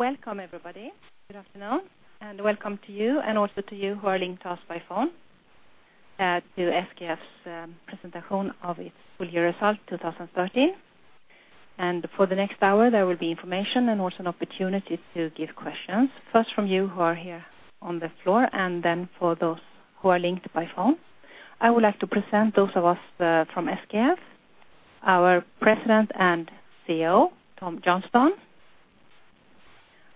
Welcome, everybody. Good afternoon, and welcome to you and also to you who are linked to us by phone to SKF's presentation of its full year result, 2013. And for the next hour, there will be information and also an opportunity to give questions, first from you who are here on the floor, and then for those who are linked by phone. I would like to present those of us from SKF, our President and CEO, Tom Johnstone,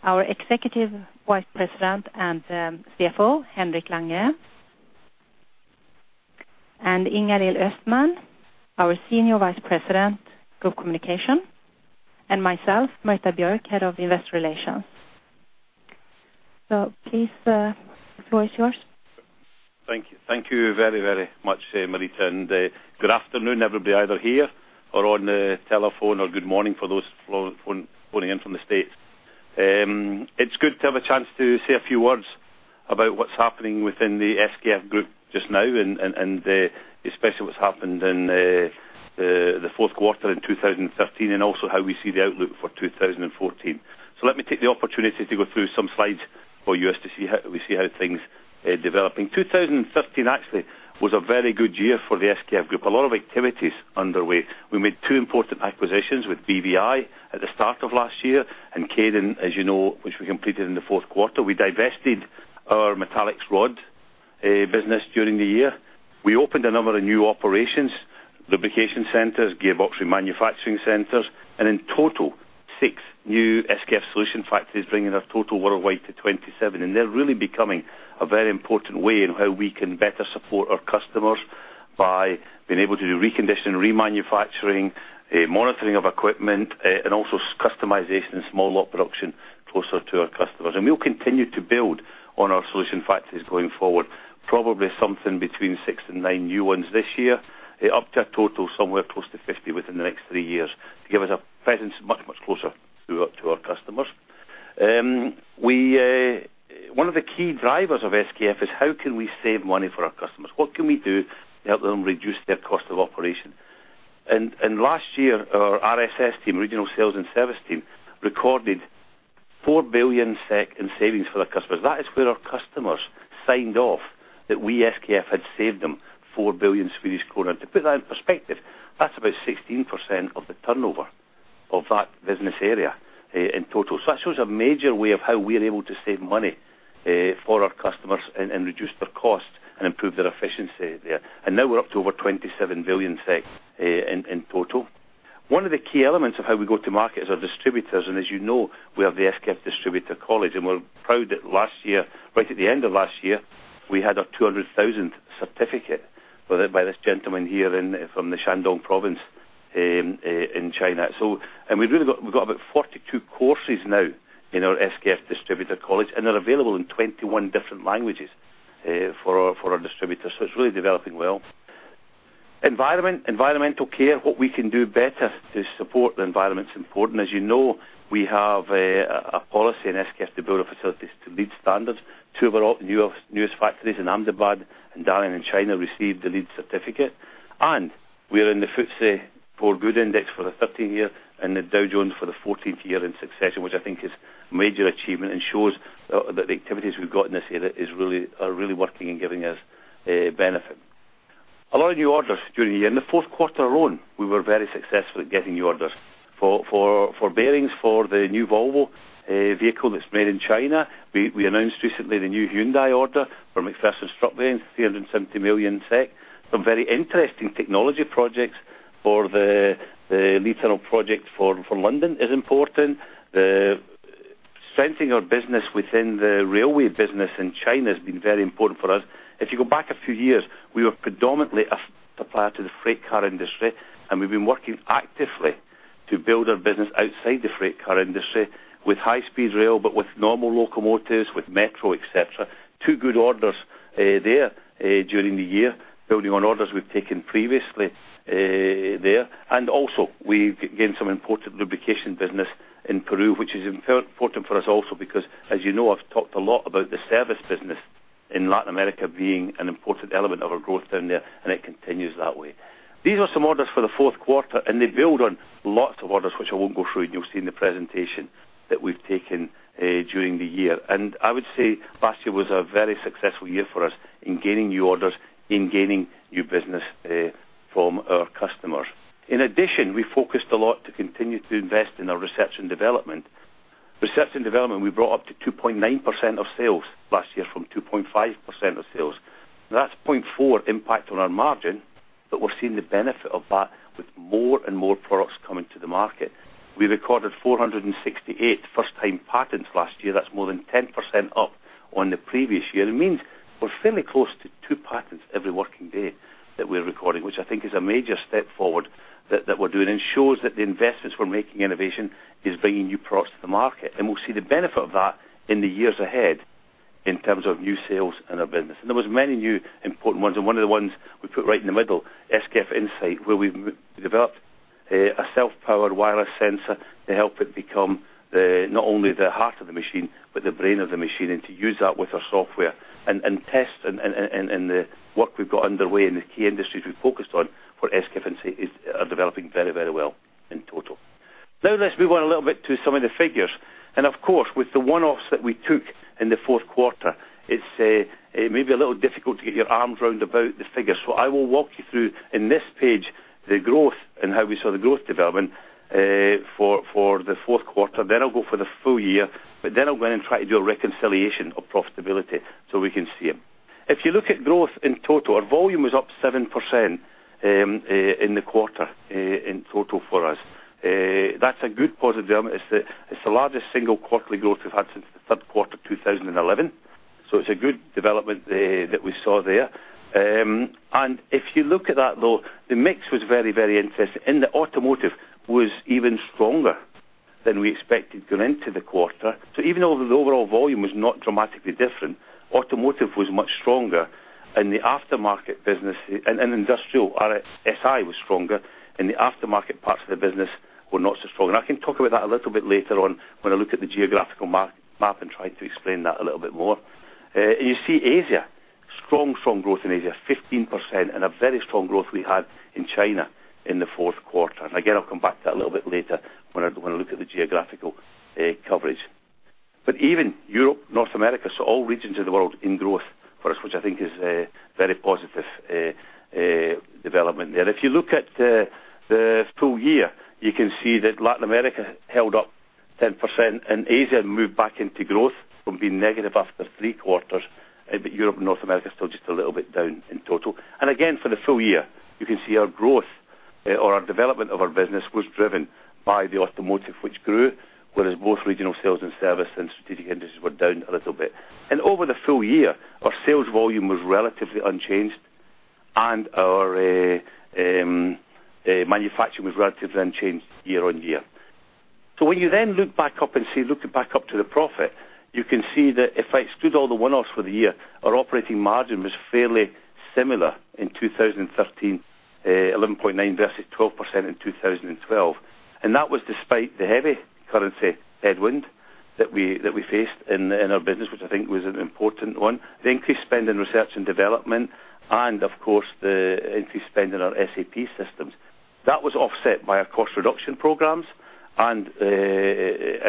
our Executive Vice President and CFO, Henrik Lange, and Inga-Lill Östman, our Senior Vice President of Group Communication, and myself, Marita Björk, Head of Investor Relations. So please, the floor is yours. Thank you. Thank you very, very much, Marita, and good afternoon, everybody, either here or on the telephone, or good morning for those calling in from the States. It's good to have a chance to say a few words about what's happening within the SKF Group just now, and especially what's happened in the fourth quarter in 2013, and also how we see the outlook for 2014. So let me take the opportunity to go through some slides for you as to see how we see how things are developing. 2013 actually was a very good year for the SKF Group. A lot of activities underway. We made two important acquisitions with BVI at the start of last year, and Kaydon, as you know, which we completed in the fourth quarter. We divested our metallics rod business during the year. We opened a number of new operations, lubrication centers, gear box manufacturing centers, and in total, 6 new SKF solution factories, bringing our total worldwide to 27. And they're really becoming a very important way in how we can better support our customers by being able to do reconditioning, remanufacturing, monitoring of equipment, and also customization and small lot production closer to our customers. And we'll continue to build on our solution factories going forward. Probably something between 6 and 9 new ones this year, up to a total somewhere close to 50 within the next 3 years, to give us a presence much, much closer to our, to our customers. One of the key drivers of SKF is how can we save money for our customers? What can we do to help them reduce their cost of operation? And last year, our RSS team, Regional Sales and Service team, recorded 4 billion SEK in savings for our customers. That is where our customers signed off, that we, SKF, had saved them 4 billion Swedish krona. To put that in perspective, that's about 16% of the turnover of that business area, in total. So that shows a major way of how we are able to save money, for our customers and reduce their costs and improve their efficiency there. And now we're up to over 27 billion SEK, in total. One of the key elements of how we go to market is our distributors, and as you know, we have the SKF Distributor College, and we're proud that last year, right at the end of last year, we had our 200,000th certificate by this gentleman here in, from the Shandong Province, in China. And we've really got, we've got about 42 courses now in our SKF Distributor College, and they're available in 21 different languages, for our, for our distributors. So it's really developing well. Environment, environmental care, what we can do better to support the environment is important. As you know, we have a policy in SKF to build our facilities to LEED standards. Two of our new, newest factories in Ahmedabad and Dalian in China, received the LEED certificate. We are in the FTSE4Good index for the 13th year and the Dow Jones for the 14th year in succession, which I think is a major achievement and shows that the activities we've got in this area are really working in giving us a benefit. A lot of new orders during the year. In the fourth quarter alone, we were very successful at getting new orders for bearings for the new Volvo vehicle that's made in China. We announced recently the new Hyundai order for MacPherson strut bearing, 370 million SEK. Some very interesting technology projects for the Lee Tunnel project for London is important. Strengthening our business within the railway business in China has been very important for us. If you go back a few years, we were predominantly a supplier to the freight car industry, and we've been working actively to build our business outside the freight car industry with high-speed rail, but with normal locomotives, with metro, et cetera. Two good orders, there, during the year, building on orders we've taken previously, there. And also, we've gained some important lubrication business in Peru, which is important for us also, because as you know, I've talked a lot about the service business in Latin America being an important element of our growth down there, and it continues that way. These are some orders for the fourth quarter, and they build on lots of orders, which I won't go through, and you'll see in the presentation, that we've taken, during the year. I would say last year was a very successful year for us in gaining new orders, in gaining new business from our customers. In addition, we focused a lot to continue to invest in our research and development. Research and development, we brought up to 2.9% of sales last year from 2.5% of sales. That's 0.4 impact on our margin, but we're seeing the benefit of that with more and more products coming to the market. We recorded 468 first-time patents last year. That's more than 10% up on the previous year. It means we're fairly close to two patents every working day that we're recording, which I think is a major step forward that we're doing, and shows that the investments we're making in innovation is bringing new products to the market. We'll see the benefit of that in the years ahead in terms of new sales and our business. There was many new important ones, and one of the ones we put right in the middle, SKF Insight, where we've developed a self-powered wireless sensor to help it become the, not only the heart of the machine, but the brain of the machine, and to use that with our software, and test and the work we've got underway in the key industries we've focused on for SKF Insight is, are developing very, very well in total... Now let's move on a little bit to some of the figures. Of course, with the one-offs that we took in the fourth quarter, it's, it may be a little difficult to get your arms around the figures. So I will walk you through, in this page, the growth and how we saw the growth development for the fourth quarter. Then I'll go for the full year, but then I'll go in and try to do a reconciliation of profitability so we can see it. If you look at growth in total, our volume was up 7% in the quarter, in total for us. That's a good positive element, is that it's the largest single quarterly growth we've had since the third quarter, 2011. So it's a good development there, that we saw there. And if you look at that, though, the mix was very, very interesting. In the automotive was even stronger than we expected going into the quarter. So even though the overall volume was not dramatically different, automotive was much stronger and the aftermarket business, and industrial, our SI was stronger, and the aftermarket parts of the business were not so strong. And I can talk about that a little bit later on, when I look at the geographical map and try to explain that a little bit more. You see Asia, strong, strong growth in Asia, 15%, and a very strong growth we had in China in the fourth quarter. And again, I'll come back to that a little bit later when I look at the geographical coverage. But even Europe, North America, so all regions of the world in growth for us, which I think is a very positive development there. If you look at the full year, you can see that Latin America held up 10%, and Asia moved back into growth from being negative after three quarters, but Europe and North America are still just a little bit down in total. For the full year, you can see our growth or our development of our business was driven by the automotive, which grew, whereas both regional sales and service and strategic industries were down a little bit. Over the full year, our sales volume was relatively unchanged, and our manufacturing was relatively unchanged year on year. So when you then look back up and see, look back up to the profit, you can see that if I exclude all the one-offs for the year, our operating margin was fairly similar in 2013, 11.9% versus 12% in 2012. And that was despite the heavy currency headwind that we faced in our business, which I think was an important one. The increased spend in research and development and, of course, the increased spend in our SAP systems. That was offset by our cost reduction programs and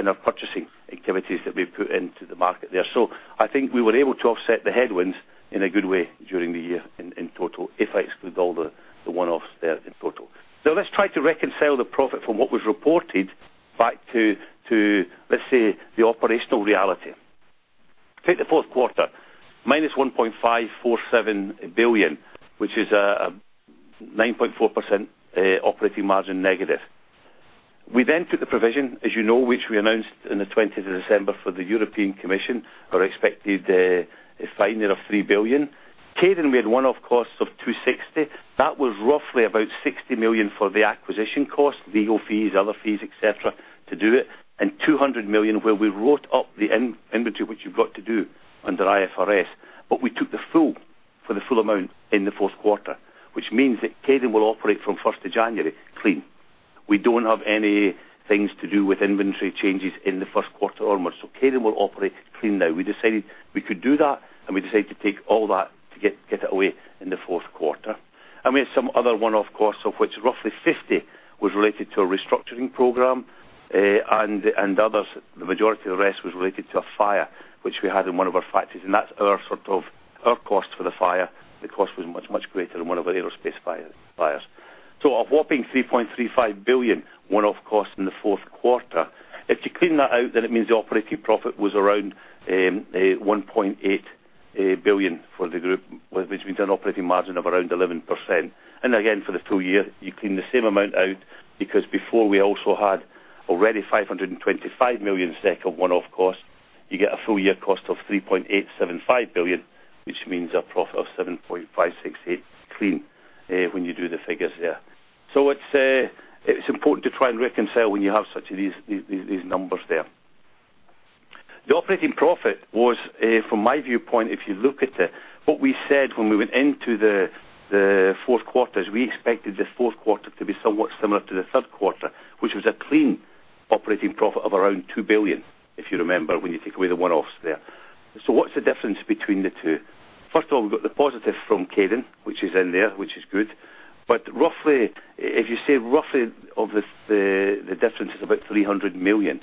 our purchasing activities that we've put into the market there. So I think we were able to offset the headwinds in a good way during the year in total, if I exclude all the one-offs there in total. Now let's try to reconcile the profit from what was reported back to let's say the operational reality. Take the fourth quarter, minus 1.547 billion, which is a 9.4% operating margin negative. We then took the provision, as you know, which we announced in the twentieth of December for the European Commission, our expected fine there of 3 billion. Kaydon, we had one-off costs of 260 million. That was roughly about 60 million for the acquisition costs, legal fees, other fees, et cetera, to do it, and 200 million, where we wrote up the inventory, which you've got to do under IFRS. But we took the full amount in the fourth quarter, which means that Kaydon will operate from first of January, clean. We don't have any things to do with inventory changes in the first quarter or more. So Kaydon will operate clean now. We decided we could do that, and we decided to take all that to get it away in the fourth quarter. We have some other one-off costs, of which roughly 50 million was related to a restructuring program, and others, the majority of the rest was related to a fire which we had in one of our factories. That's sort of our cost for the fire. The cost was much, much greater than our aerospace plant fire. So a whopping 3.35 billion one-off cost in the fourth quarter. If you clean that out, then it means the operating profit was around 1.8 billion SEK for the group, which means an operating margin of around 11%. And again, for the full year, you clean the same amount out, because before we also had already 525 million SEK one-off cost. You get a full year cost of 3.875 billion, which means a profit of 7.568 billion clean, when you do the figures there. So it's important to try and reconcile when you have such of these, these, these numbers there. The operating profit was from my viewpoint, if you look at it, what we said when we went into the fourth quarter, is we expected the fourth quarter to be somewhat similar to the third quarter, which was a clean operating profit of around 2 billion, if you remember, when you take away the one-offs there. So what's the difference between the two? First of all, we've got the positive from Kaydon, which is in there, which is good. But roughly, if you say roughly of the difference is about 300 million.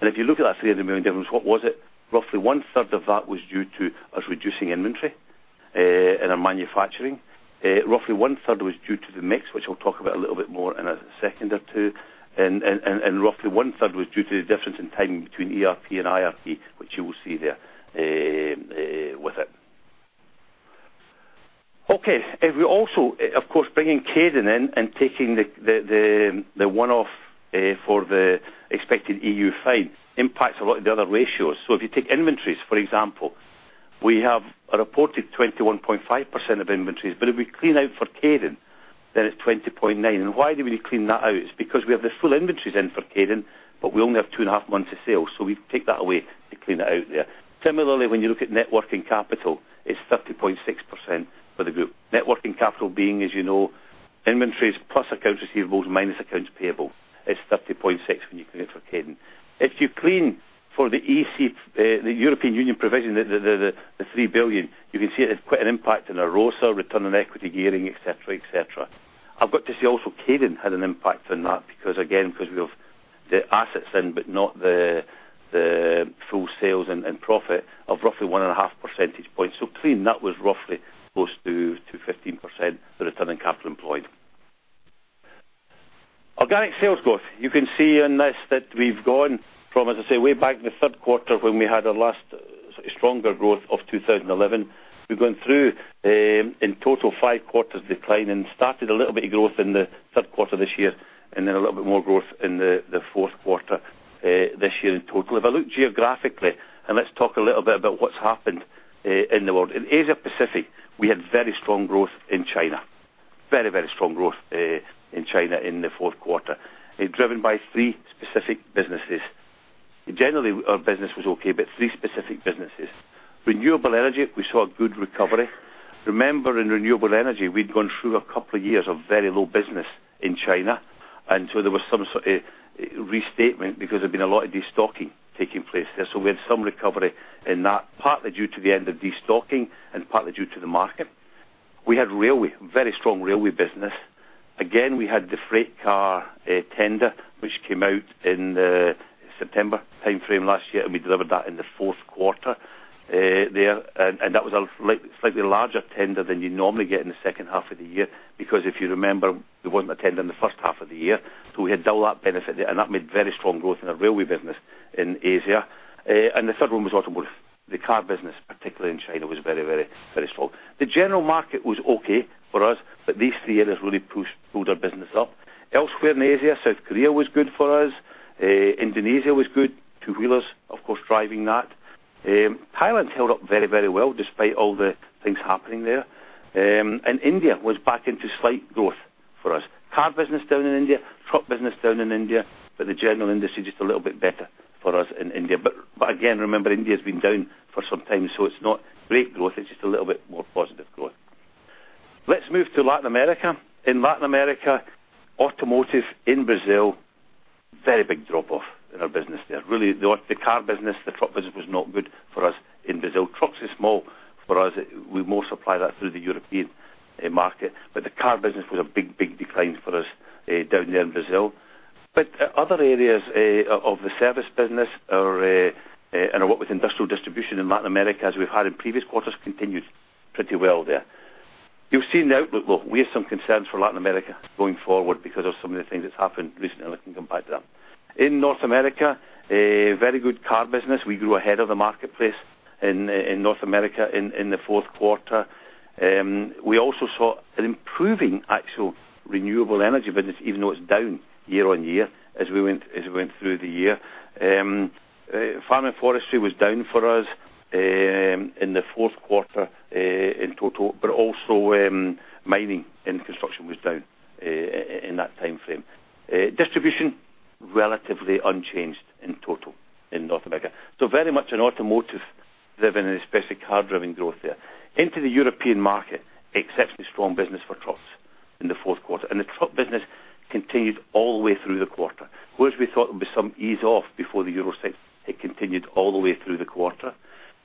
And if you look at that 300 million difference, what was it? Roughly one third of that was due to us reducing inventory in our manufacturing. Roughly one third was due to the mix, which I'll talk about a little bit more in a second or two. Roughly one third was due to the difference in timing between ERP and IRP, which you will see there with it. Okay. And we also, of course, bringing Kaydon in and taking the one-off for the expected EU fine, impacts a lot of the other ratios. So if you take inventories, for example, we have a reported 21.5% of inventories, but if we clean out for Kaydon, then it's 20.9%. And why do we need to clean that out? It's because we have the full inventories in for Kaydon, but we only have 2.5 months of sales, so we take that away to clean it out there. Similarly, when you look at net working capital, it's 30.6% for the group. Net working capital being, as you know, inventories plus accounts receivables minus accounts payable, is 30.6 when you clean it for Kaydon. If you clean for the EC, the European Union provision, the 3 billion, you can see it has quite an impact on our ROCE, return on equity gearing, et cetera, et cetera. I've got to say also, Kaydon had an impact on that because again, because we have the assets in, but not the full sales and profit of roughly 1.5 percentage points. So clean, that was roughly close to 15%, the return on capital employed. Organic sales growth. You can see in this that we've gone from, as I say, way back in the third quarter when we had our last stronger growth of 2011. We've gone through, in total, 5 quarters declining, started a little bit of growth in the third quarter this year, and then a little bit more growth in the fourth quarter, this year in total. If I look geographically, and let's talk a little bit about what's happened, in the world. In Asia Pacific, we had very strong growth in China. Very, very strong growth, in China in the fourth quarter, driven by 3 specific businesses. Generally, our business was okay, but 3 specific businesses. Renewable energy, we saw a good recovery. Remember, in renewable energy, we'd gone through a couple of years of very low business in China, and so there was some sort, restatement because there'd been a lot of destocking taking place there. So we had some recovery in that, partly due to the end of destocking and partly due to the market. We had railway, very strong railway business. Again, we had the freight car tender, which came out in the September timeframe last year, and we delivered that in the fourth quarter there. And that was a slightly larger tender than you normally get in the second half of the year, because if you remember, there wasn't a tender in the first half of the year. So we had double that benefit there, and that made very strong growth in our railway business in Asia. And the third one was automotive. The car business, particularly in China, was very, very, very strong. The general market was okay for us, but these three areas really pushed, pulled our business up. Elsewhere in Asia, South Korea was good for us. Indonesia was good, two-wheelers, of course, driving that. Thailand's held up very, very well, despite all the things happening there. And India was back into slight growth for us. Car business down in India, truck business down in India, but the general industry, just a little bit better for us in India. But again, remember, India's been down for some time, so it's not great growth, it's just a little bit more positive growth. Let's move to Latin America. In Latin America, automotive in Brazil, very big drop-off in our business there. Really, the car business, the truck business was not good for us in Brazil. Trucks is small for us. We more supply that through the European market, but the car business was a big, big decline for us down there in Brazil. But other areas of the service business are, and what with industrial distribution in Latin America, as we've had in previous quarters, continued pretty well there. You'll see in the outlook, well, we have some concerns for Latin America going forward because of some of the things that's happened recently, and I can come back to that. In North America, a very good car business. We grew ahead of the marketplace in North America in the fourth quarter. We also saw an improving actual renewable energy business, even though it's down year-on-year, as we went through the year. Farming forestry was down for us in the fourth quarter in total, but also mining and construction was down in that timeframe. Distribution, relatively unchanged in total in North America. So very much an automotive-driven and specific car-driven growth there. Into the European market, exceptionally strong business for trucks in the fourth quarter. And the truck business continued all the way through the quarter. Whereas we thought there would be some ease off before the year, it continued all the way through the quarter.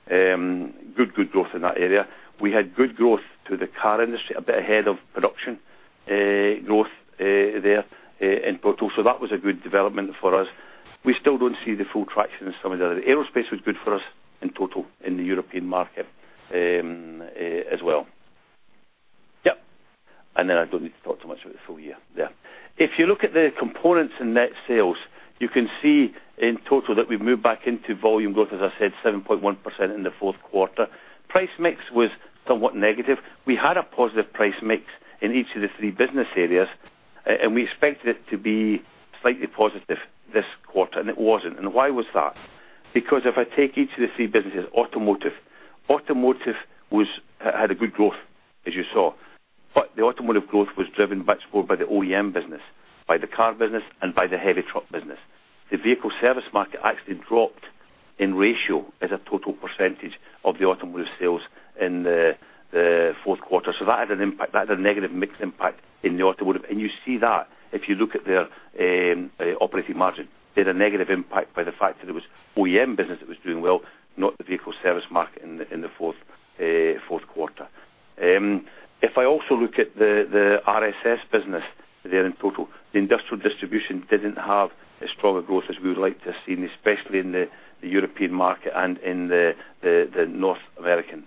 Good, good growth in that area. We had good growth to the car industry, a bit ahead of production growth there in total. So that was a good development for us. We still don't see the full traction in some of the other. Aerospace was good for us in total in the European market, as well. Yep, and then I don't need to talk too much about the full year there. If you look at the components and net sales, you can see in total that we've moved back into volume growth, as I said, 7.1% in the fourth quarter. Price mix was somewhat negative. We had a positive price mix in each of the three business areas, and we expected it to be slightly positive this quarter, and it wasn't. And why was that? Because if I take each of the three businesses, automotive. Automotive was, had a good growth, as you saw, but the automotive growth was driven much more by the OEM business, by the car business, and by the heavy truck business. The vehicle service market actually dropped in ratio as a total percentage of the automotive sales in the fourth quarter. That had an impact, that had a negative mix impact in the automotive. And you see that if you look at their operating margin. They had a negative impact by the fact that it was OEM business that was doing well, not the vehicle service market in the fourth quarter. If I also look at the RSS business there in total, the industrial distribution didn't have as strong a growth as we would like to have seen, especially in the European market and in the North American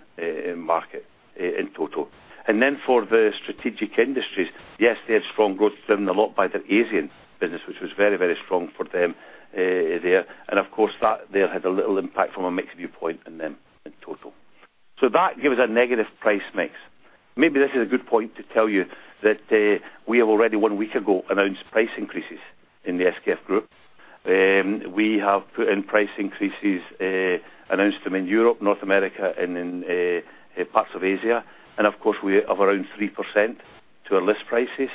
market in total. Then for the strategic industries, yes, they had strong growth driven a lot by their Asian business, which was very, very strong for them there. And of course, that there had a little impact from a mix viewpoint in them in total. So that gave us a negative price mix. Maybe this is a good point to tell you that we have already, one week ago, announced price increases in the SKF Group. We have put in price increases, announced them in Europe, North America, and in parts of Asia. And of course, of around 3% to our list prices.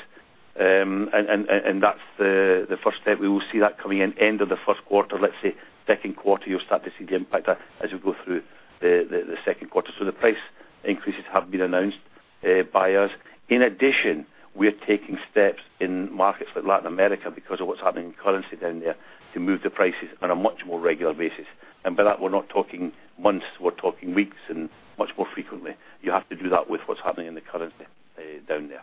And that's the first step. We will see that coming in end of the first quarter, let's say second quarter, you'll start to see the impact as we go through the second quarter. So the price increases have been announced. By us. In addition, we are taking steps in markets like Latin America because of what's happening in currency down there, to move the prices on a much more regular basis. And by that, we're not talking months, we're talking weeks and much more frequently. You have to do that with what's happening in the currency down there.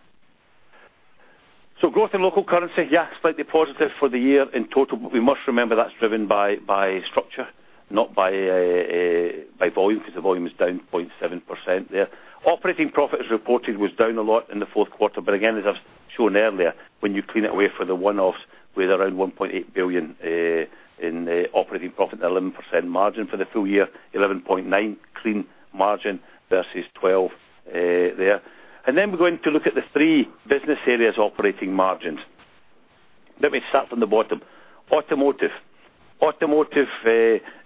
So growth in local currency, yeah, slightly positive for the year in total, but we must remember that's driven by, by structure, not by, by volume, because the volume is down 0.7% there. Operating profit, as reported, was down a lot in the fourth quarter, but again, as I've shown earlier, when you clean it away for the one-offs, we're around 1.8 billion in operating profit, 11% margin for the full year, 11.9% clean margin versus 12% there. And then we're going to look at the three business areas operating margins. Let me start from the bottom. Automotive. Automotive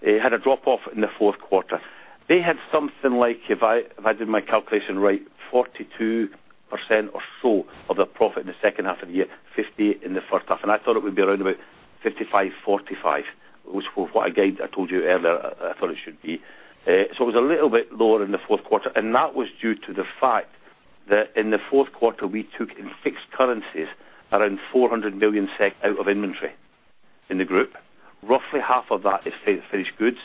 had a drop-off in the fourth quarter. They had something like, if I did my calculation right, 42% or so of their profit in the second half of the year, 50 in the first half. And I thought it would be around about 55, 45, which was what I gave, I told you earlier, I thought it should be. So it was a little bit lower in the fourth quarter, and that was due to the fact that in the fourth quarter, we took in fixed currencies around 400 million SEK out of inventory in the group. Roughly half of that is finished goods,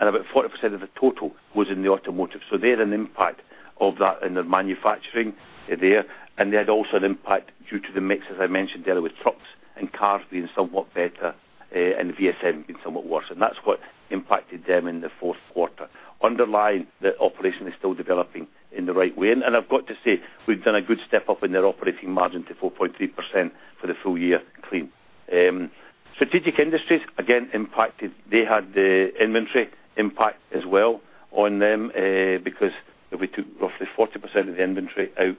and about 40% of the total was in the automotive. So they had an impact of that in their manufacturing there, and they had also an impact due to the mix, as I mentioned earlier, with trucks and cars being somewhat better, and the VSM being somewhat worse. And that's what impacted them in the fourth quarter. Underlying, the operation is still developing in the right way. And I've got to say, we've done a good step up in their operating margin to 4.3% for the full year clean. Strategic industries, again, impacted. They had the inventory impact as well on them, because if we took roughly 40% of the inventory out,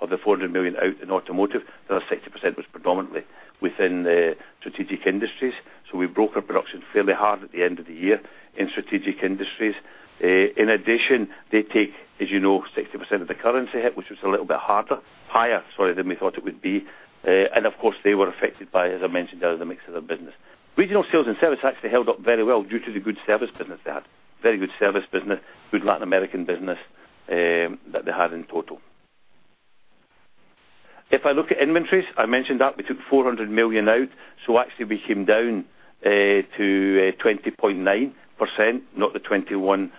of the 400 million out in automotive, the other 60% was predominantly within the Strategic Industries. So we broke our production fairly hard at the end of the year in Strategic Industries. In addition, they take, as you know, 60% of the currency hit, which was a little bit harder, higher, sorry, than we thought it would be. And of course, they were affected by, as I mentioned earlier, the mix of the business. Regional Sales and Service actually held up very well due to the good service business they had. Very good service business, good Latin American business, that they had in total. If I look at inventories, I mentioned that we took 400 million out, so actually, we came down to 20.9%, not the 21.5%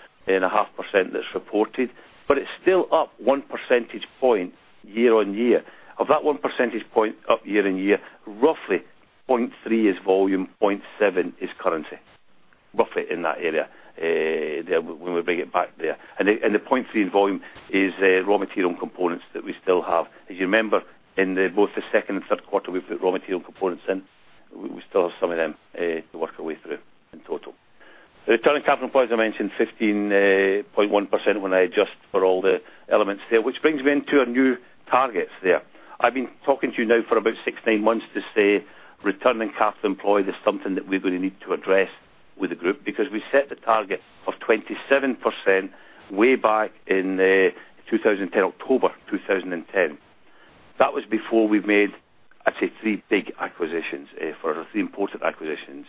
that's reported, but it's still up 1 percentage point year on year. Of that 1 percentage point up year on year, roughly 0.3 is volume, 0.7 is currency. Roughly in that area there when we bring it back there. And the 0.3 in volume is raw material components that we still have. As you remember, in both the second and third quarter, we put raw material components in. We still have some of them to work our way through in total. The return on capital employed, as I mentioned, 15.1% when I adjust for all the elements there, which brings me into our new targets there. I've been talking to you now for about 6-9 months to say, return on capital employed is something that we're going to need to address with the group, because we set the target of 27% way back in 2010, October 2010. That was before we made, I'd say, 3 big acquisitions for 3 important acquisitions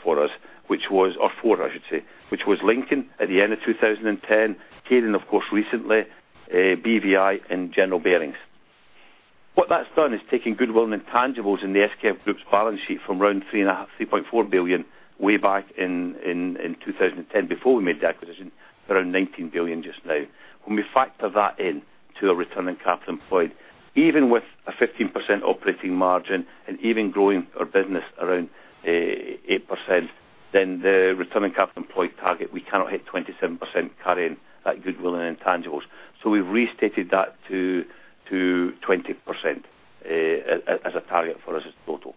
for us, which was or 4, I should say, which was Lincoln at the end of 2010, Kaydon, of course, recently, BVI and General Bearings. What that's done is taking goodwill and intangibles in the SKF Group's balance sheet from around 3.5, 3.4 billion SEK way back in 2010, before we made the acquisition, around 19 billion SEK just now. When we factor that in to a return on capital employed, even with a 15% operating margin and even growing our business around 8%, then the return on capital employed target, we cannot hit 27% carrying that goodwill and intangibles. So we restated that to 20% as a target for us as total.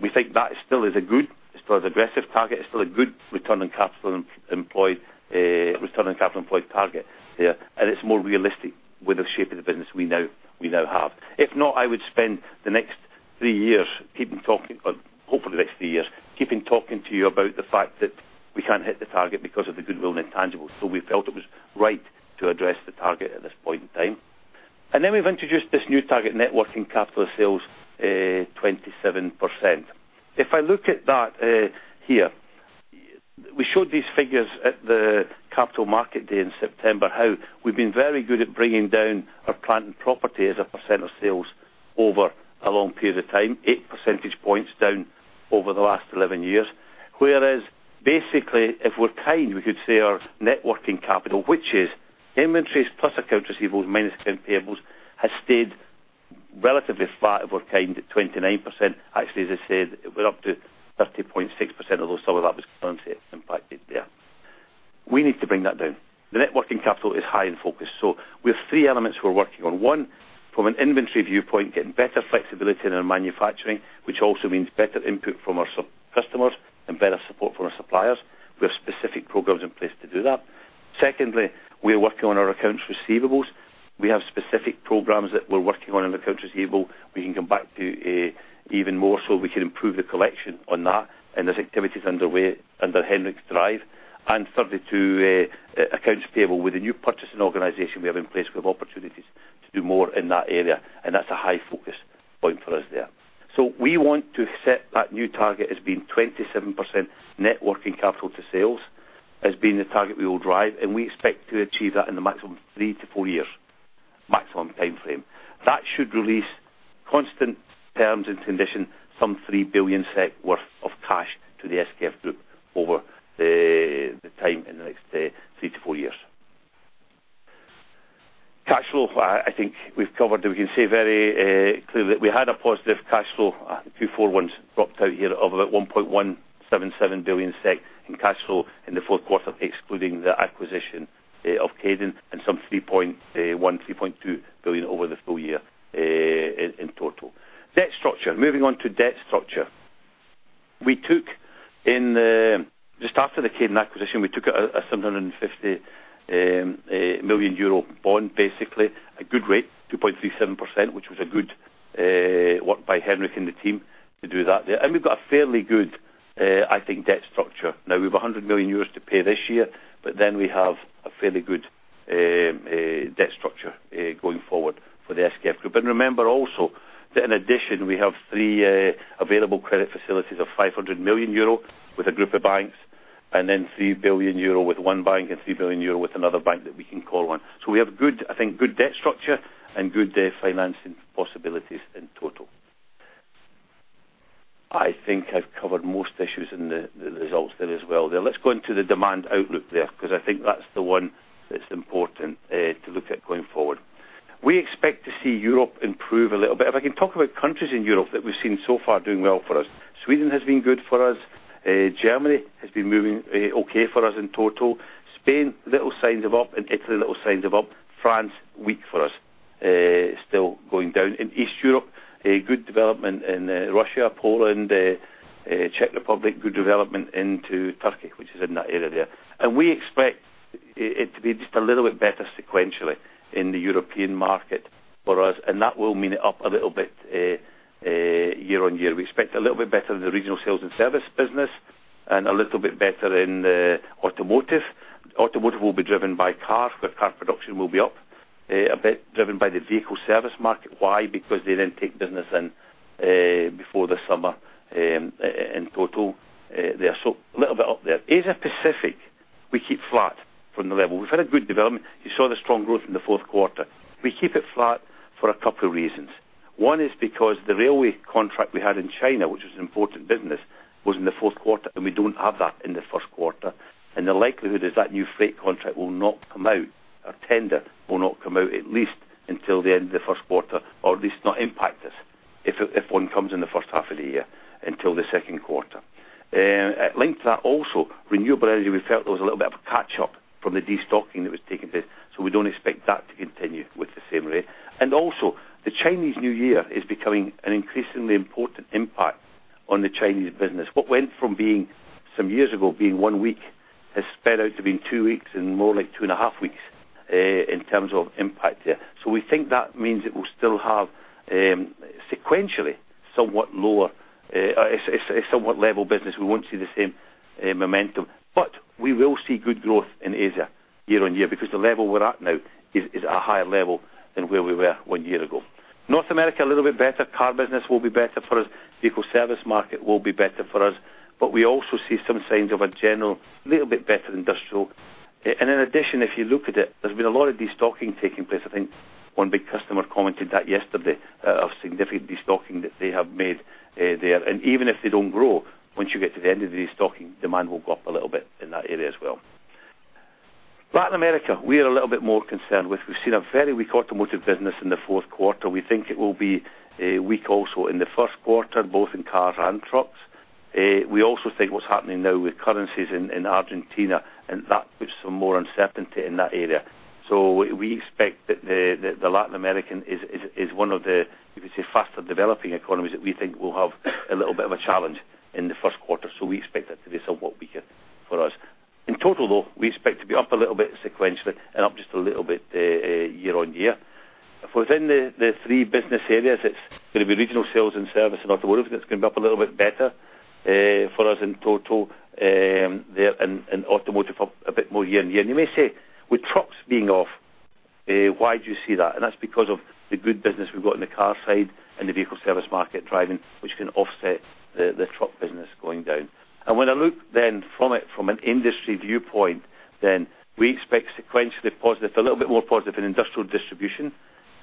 We think that still is a good, it's still an aggressive target, it's still a good return on capital employed return on capital employed target there, and it's more realistic with the shape of the business we now have. If not, I would spend the next 3 years keeping talking, or hopefully the next 3 years, keeping talking to you about the fact that we can't hit the target because of the goodwill and intangibles. So we felt it was right to address the target at this point in time. And then we've introduced this new target, net working capital of sales, 27%. If I look at that, here, we showed these figures at the Capital Market Day in September, how we've been very good at bringing down our plant and property as a percent of sales over a long period of time, 8 percentage points down over the last 11 years. Whereas, basically, if we're kind, we could say our net working capital, which is inventories plus accounts receivables minus account payables, has stayed relatively flat if we're kind, at 29%. Actually, as I said, it went up to 30.6%, although some of that was currency impacted there. We need to bring that down. The net working capital is high in focus. So we have three elements we're working on. One, from an inventory viewpoint, getting better flexibility in our manufacturing, which also means better input from our sub-customers and better support from our suppliers. We have specific programs in place to do that. Secondly, we are working on our accounts receivables. We have specific programs that we're working on in accounts receivable. We can come back to, even more so we can improve the collection on that, and there's activities underway under Henrik's drive. And thirdly, to accounts payable. With the new purchasing organization we have in place, we have opportunities. to do more in that area, and that's a high focus point for us there. So we want to set that new target as being 27% net working capital to sales as being the target we will drive, and we expect to achieve that in the maximum 3 to 4 years, maximum timeframe. That should release constant terms and conditions, some SEK 3 billion worth of cash to the SKF Group over the time in the next 3 to 4 years. Cash flow, I think we've covered it. We can say very clearly that we had a positive cash flow, two, four ones dropped out here of about 1.177 billion SEK in cash flow in the fourth quarter, excluding the acquisition of Kaydon and some 3.1, 3.2 billion over the full year, in, in total. Debt structure. Moving on to debt structure. We took in the... Just after the Kaydon acquisition, we took a, a 750 million euro bond, basically. A good rate, 2.37%, which was a good work by Henrik and the team to do that there. And we've got a fairly good, I think, debt structure. Now, we've 100 million euros to pay this year, but then we have a fairly good debt structure going forward for the SKF Group. And remember also, that in addition, we have three available credit facilities of 500 million euro with a group of banks, and then 3 billion euro with one bank and 3 billion euro with another bank that we can call on. So we have good, I think, good debt structure and good financing possibilities in total. I think I've covered most issues in the, the results there as well. Then let's go into the demand outlook there, because I think that's the one that's important to look at going forward. We expect to see Europe improve a little bit. If I can talk about countries in Europe that we've seen so far doing well for us, Sweden has been good for us. Germany has been moving okay for us in total. Spain, little signs of up, and Italy, little signs of up. France, weak for us, still going down. In East Europe, a good development in Russia, Poland, Czech Republic, good development into Turkey, which is in that area there. And we expect it to be just a little bit better sequentially in the European market for us, and that will mean it up a little bit year-on-year. We expect a little bit better in the regional sales and service business and a little bit better in the automotive. Automotive will be driven by car, where car production will be up a bit, driven by the vehicle service market. Why? Because they then take business in, before the summer, in total, there. So a little bit up there. Asia Pacific, we keep flat from the level. We've had a good development. You saw the strong growth in the fourth quarter. We keep it flat for a couple of reasons. One is because the railway contract we had in China, which was an important business, was in the fourth quarter, and we don't have that in the first quarter. The likelihood is that new freight contract will not come out, or tender will not come out, at least until the end of the first quarter, or at least not impact us if one comes in the first half of the year until the second quarter. Linked to that also, renewable energy, we felt there was a little bit of a catch-up from the destocking that was taking place, so we don't expect that to continue with the same rate. And also, the Chinese New Year is becoming an increasingly important impact on the Chinese business. What went from being, some years ago, being one week, has sped out to being two weeks and more like two and a half weeks, in terms of impact there. So we think that means it will still have, sequentially, somewhat lower, a somewhat level business. We won't see the same, momentum, but we will see good growth in Asia year-on-year, because the level we're at now is, at a higher level than where we were one year ago. North America, a little bit better. Car business will be better for us. Vehicle Service Market will be better for us, but we also see some signs of a general, little bit better industrial. In addition, if you look at it, there's been a lot of destocking taking place. I think one big customer commented that yesterday of significant destocking that they have made there. And even if they don't grow, once you get to the end of the destocking, demand will go up a little bit in that area as well. Latin America, we are a little bit more concerned with. We've seen a very weak automotive business in the fourth quarter. We think it will be weak also in the first quarter, both in cars and trucks. We also think what's happening now with currencies in Argentina, and that puts some more uncertainty in that area. So we expect that the Latin America is one of the faster developing economies that we think will have a little bit of a challenge in the first quarter. So we expect that to be somewhat weaker for us. In total, though, we expect to be up a little bit sequentially and up just a little bit year-on-year. Within the three business areas, it's gonna be regional sales and service and automotive that's going to be up a little bit better for us in total there and automotive up a bit more year-on-year. You may say, "With trucks being off, why do you see that?" And that's because of the good business we've got in the car side and the vehicle service market driving, which can offset the truck business going down. And when I look then from it, from an industry viewpoint, then we expect sequentially positive, a little bit more positive in industrial distribution.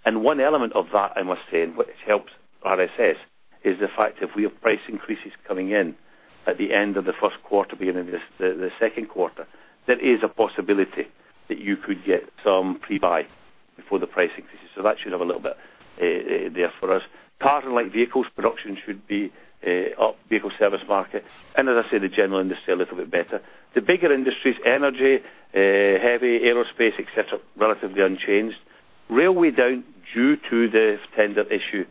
And one element of that, I must say, and which helps RSS, is the fact that we have price increases coming in at the end of the first quarter, beginning of the second quarter. There is a possibility that you could get some pre-buy before the price increases, so that should have a little bit there for us. Car and light vehicles, production should be up, vehicle service market, and as I said, the general industry a little bit better. The bigger industries, energy, heavy aerospace, et cetera, relatively unchanged. Railway down due to the tender issue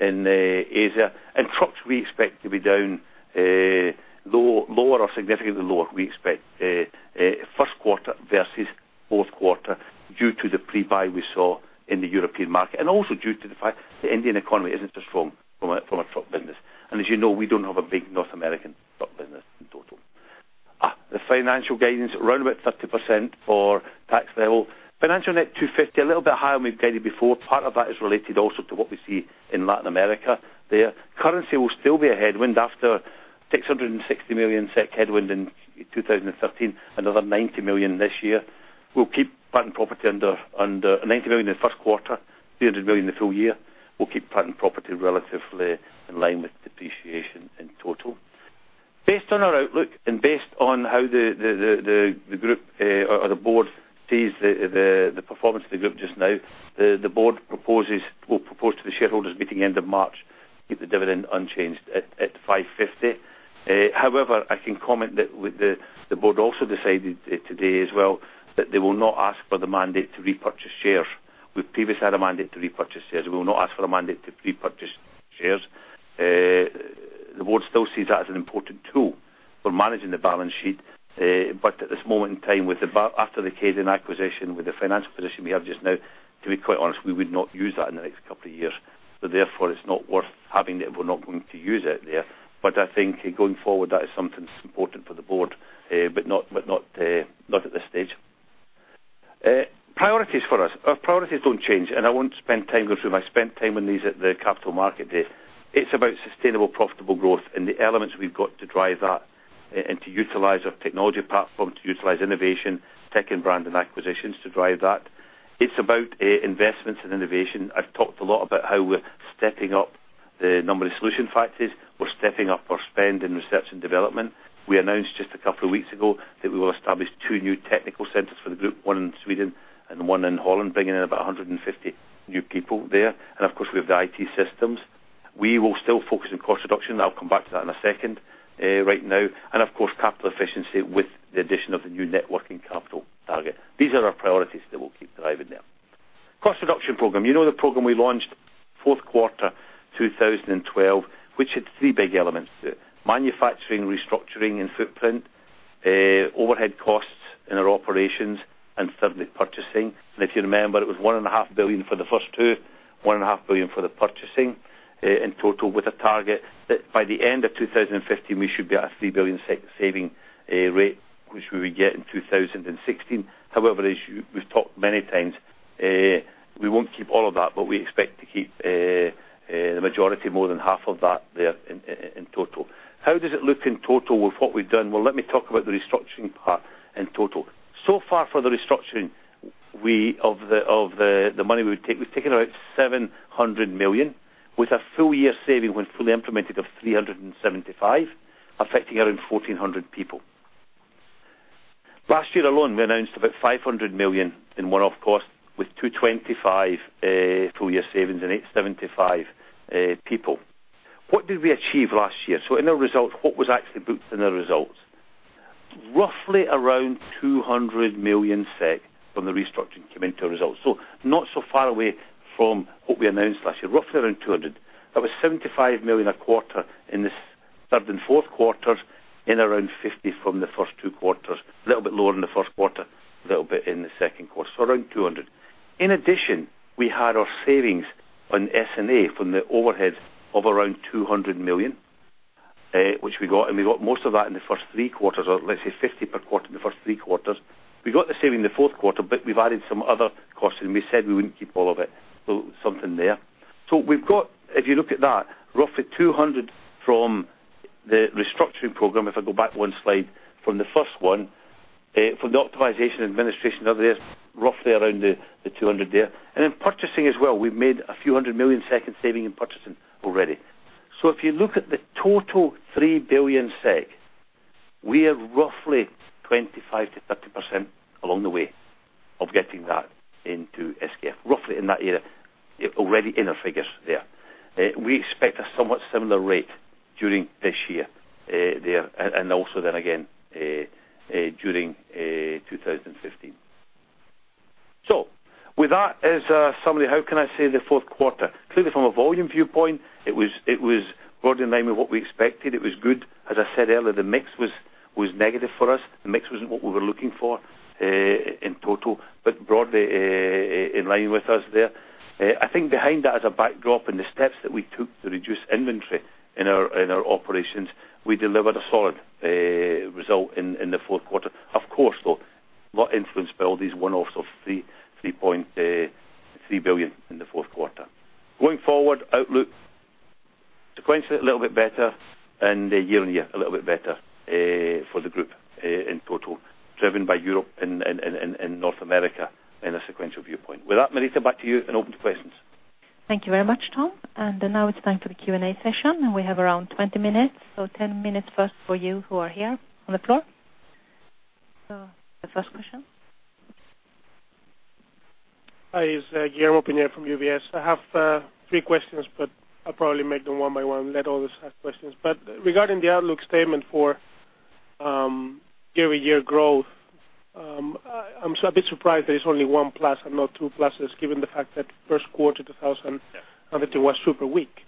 in Asia, and trucks, we expect to be down, lower or significantly lower, we expect, first quarter versus fourth quarter due to the pre-buy we saw in the European market and also due to the fact the Indian economy isn't as strong from a truck business. And as you know, we don't have a big North American truck business. The financial guidance around 30% for tax level. Financial net 250, a little bit higher than we guided before. Part of that is related also to what we see in Latin America there. Currency will still be a headwind after 660 million SEK headwind in 2013, another 90 million this year. We'll keep patent property under 90 million in the first quarter, 300 million in the full year. We'll keep patent property relatively in line with depreciation in total. Based on our outlook and based on how the group or the board sees the performance of the group just now, the board proposes, will propose to the shareholders meeting end of March, keep the dividend unchanged at 5.50. However, I can comment that the board also decided today as well, that they will not ask for the mandate to repurchase shares. We previously had a mandate to repurchase shares. We will not ask for a mandate to repurchase shares. The board still sees that as an important tool for managing the balance sheet, but at this moment in time, after the Kaydon acquisition, with the financial position we have just now, to be quite honest, we would not use that in the next couple of years. So therefore, it's not worth having it. We're not going to use it there. But I think going forward, that is something that's important for the board, but not, but not, not at this stage. Priorities for us. Our priorities don't change, and I won't spend time going through them. I spent time on these at the capital market day. It's about sustainable, profitable growth and the elements we've got to drive that and to utilize our technology platform, to utilize innovation, tech and brand, and acquisitions to drive that. It's about investments and innovation. I've talked a lot about how we're stepping up the number of solution factories. We're stepping up our spend in research and development. We announced just a couple of weeks ago that we will establish two new technical centers for the group, one in Sweden and one in Holland, bringing in about 150 new people there. And of course, we have the IT systems. We will still focus on cost reduction. I'll come back to that in a second, right now. And of course, capital efficiency with the addition of the new working capital target. These are our priorities that we'll keep driving there. Cost reduction program. You know the program we launched fourth quarter 2012, which had three big elements to it. Manufacturing, restructuring, and footprint, overhead costs in our operations, and thirdly, purchasing. And if you remember, it was 1.5 billion for the first two, 1.5 billion for the purchasing, in total, with a target that by the end of 2015, we should be at a 3 billion saving rate, which we will get in 2016. However, as we've talked many times, we won't keep all of that, but we expect to keep the majority, more than half of that there in total. How does it look in total with what we've done? Well, let me talk about the restructuring part in total. So far for the restructuring, we... Of the money we would take, we've taken out 700 million, with a full year saving, when fully implemented, of 375 million, affecting around 1,400 people. Last year alone, we announced about 500 million in one-off costs, with 225 million full year savings and 875 people. What did we achieve last year? So in our results, what was actually booked in our results? Roughly around 200 million SEK from the restructuring came into our results. So not so far away from what we announced last year, roughly around 200. That was 75 million a quarter in this third and fourth quarters, and around 50 from the first two quarters. A little bit lower in the first quarter, a little bit in the second quarter, so around 200. In addition, we had our savings on S&A from the overhead of around 200 million, which we got, and we got most of that in the first three quarters, or let's say 50 per quarter in the first three quarters. We got the saving in the fourth quarter, but we've added some other costs, and we said we wouldn't keep all of it. So something there. So we've got, if you look at that, roughly 200 from the restructuring program, if I go back one slide from the first one, from the optimization administration there, roughly around the, the 200 there. And in purchasing as well, we've made a few hundred million SEK in saving in purchasing already. So if you look at the total 3 billion SEK, we are roughly 25%-30% along the way of getting that into SKF, roughly in that area, already in our figures there. We expect a somewhat similar rate during this year, there, and also then again during 2015. So with that, as a summary, how can I say the fourth quarter? Clearly, from a volume viewpoint, it was broadly in line with what we expected. It was good. As I said earlier, the mix was negative for us. The mix wasn't what we were looking for in total, but broadly in line with us there. I think behind that, as a backdrop, and the steps that we took to reduce inventory in our operations, we delivered a solid result in the fourth quarter. Of course, though, a lot influenced by all these one-offs of 3.3 billion in the fourth quarter. Going forward, outlook sequentially a little bit better, and year on year, a little bit better for the group in total, driven by Europe and North America in a sequential viewpoint. With that, Marita, back to you and open to questions. Thank you very much, Tom. Now it's time for the Q&A session, and we have around 20 minutes. 10 minutes first for you who are here on the floor. The first question? Hi, it's Guillermo Peigneux from UBS. I have three questions, but I'll probably make them one by one, let others ask questions. But regarding the outlook statement for year-over-year growth, I'm still a bit surprised that it's only 1+ and not 2+, given the fact that first quarter 2020 was super weak.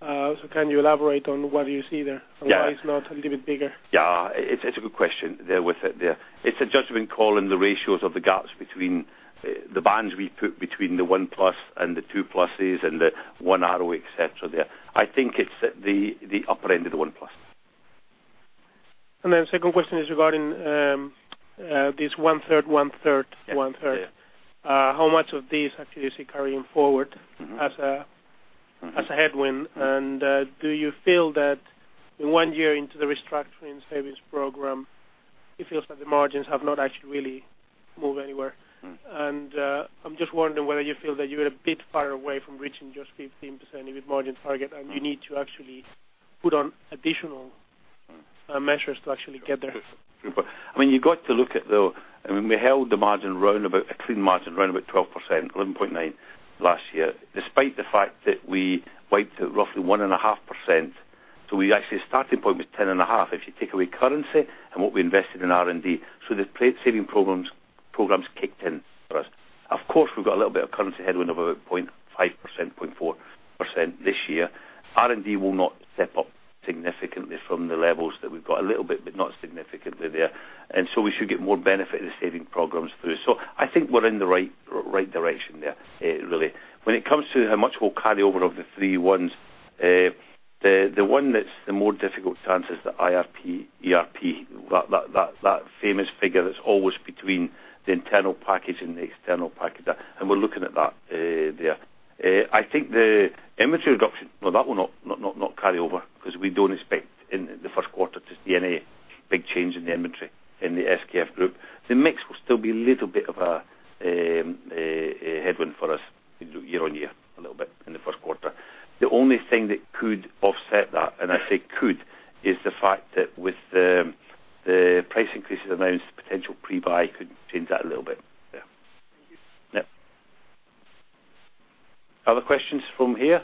So can you elaborate on what you see there- Yeah. And why it's not a little bit bigger? Yeah, it's a good question there with the... It's a judgment call in the ratios of the gaps between the bands we put between the one plus and the two pluses and the one arrow, et cetera, there. I think it's at the upper end of the one plus.... And then second question is regarding this one third, one third, one third. Yeah. How much of this actually you see carrying forward? Mm-hmm. as a headwind? And do you feel that in one year into the restructuring savings program, it feels that the margins have not actually really moved anywhere. Mm. I'm just wondering whether you feel that you're a bit far away from reaching just 15% EBIT margin target, and you need to actually put on additional measures to actually get there? I mean, you've got to look at, though, I mean, we held the margin round about, a clean margin, round about 12%, 11.9% last year, despite the fact that we wiped roughly 1.5%. So we actually, starting point was 10.5, if you take away currency and what we invested in R&D. So the cost saving programs, programs kicked in for us. Of course, we've got a little bit of currency headwind of about 0.5%, 0.4% this year. R&D will not step up significantly from the levels that we've got. A little bit, but not significantly there. And so we should get more benefit of the saving programs through. So I think we're in the right, right direction there, really. When it comes to how much we'll carry over of the three ones, the one that's the more difficult to answer is the IRP, ERP. That famous figure that's always between the internal package and the external package, and we're looking at that there. I think the inventory reduction, well, that will not carry over, because we don't expect in the first quarter to see any big change in the inventory in the SKF Group. The mix will still be a little bit of a headwind for us year-on-year, a little bit in the first quarter. The only thing that could offset that, and I say could, is the fact that with the price increases announced, potential pre-buy could change that a little bit. Yeah. Thank you. Yeah. Other questions from here?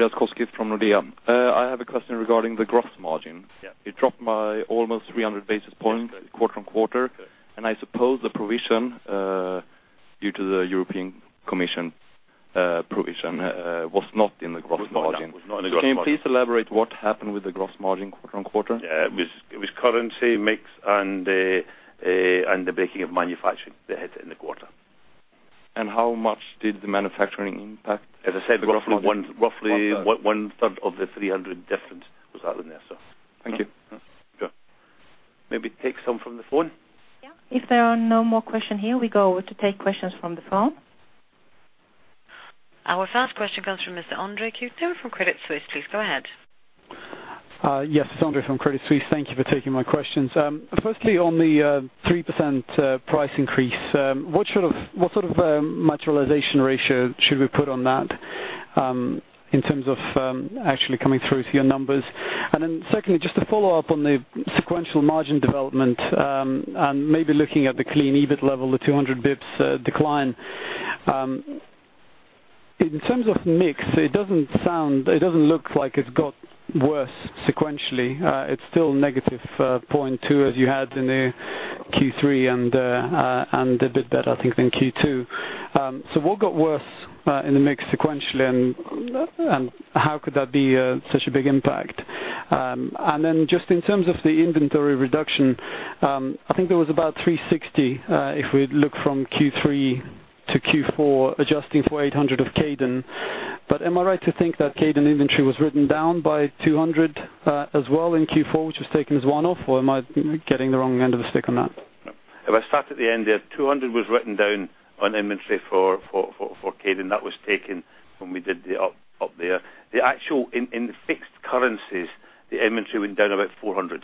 Yeah. Andreas Koski from Nordea. I have a question regarding the gross margin. Yeah. It dropped by almost 300 basis points quarter-over-quarter. Okay. I suppose the provision due to the European Commission provision was not in the gross margin. Was not in the gross margin. Can you please elaborate what happened with the gross margin quarter-on-quarter? Yeah, it was, it was currency mix and the, and the breaking of manufacturing that hit in the quarter. How much did the manufacturing impact the gross margin? As I said, roughly one, roughly one third of the 300 difference was out in there, so. Thank you. Sure. Maybe take some from the phone. Yeah. If there are no more questions here, we go to take questions from the phone. Our first question comes from Mr. Andre Kukhnin from Credit Suisse. Please, go ahead. Yes, Andre Kukhnin from Credit Suisse. Thank you for taking my questions. Firstly, on the 3% price increase, what sort of materialization ratio should we put on that, in terms of actually coming through to your numbers? And then secondly, just to follow up on the sequential margin development, and maybe looking at the clean EBIT level, the 200 bips decline. In terms of mix, it doesn't sound, it doesn't look like it's got worse sequentially. It's still negative point two, as you had in the Q3 and a bit better, I think, than Q2. So what got worse in the mix sequentially, and how could that be such a big impact? And then just in terms of the inventory reduction, I think there was about 360, if we look from Q3 to Q4, adjusting for 800 of Kaydon. But am I right to think that Kaydon inventory was written down by 200, as well in Q4, which was taken as one-off? Or am I getting the wrong end of the stick on that? If I start at the end there, 200 million was written down on inventory for Kaydon. That was taken when we did the write-up there. The actual in the fixed currencies, the inventory went down about 400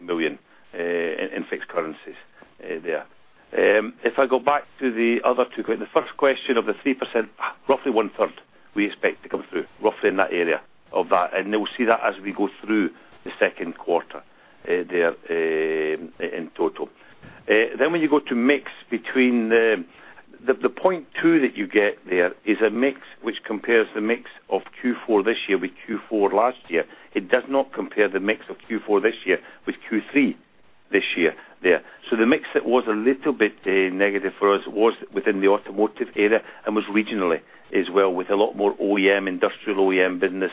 million in fixed currencies there. If I go back to the other two questions, the first question of the 3%, roughly one third, we expect to come through, roughly in that area of that. And we'll see that as we go through the second quarter there in total. Then when you go to mix between the... The 0.2 that you get there is a mix which compares the mix of Q4 this year with Q4 last year. It does not compare the mix of Q4 this year with Q3 this year there. So the mix that was a little bit, negative for us was within the automotive area and was regionally as well, with a lot more OEM, industrial OEM business,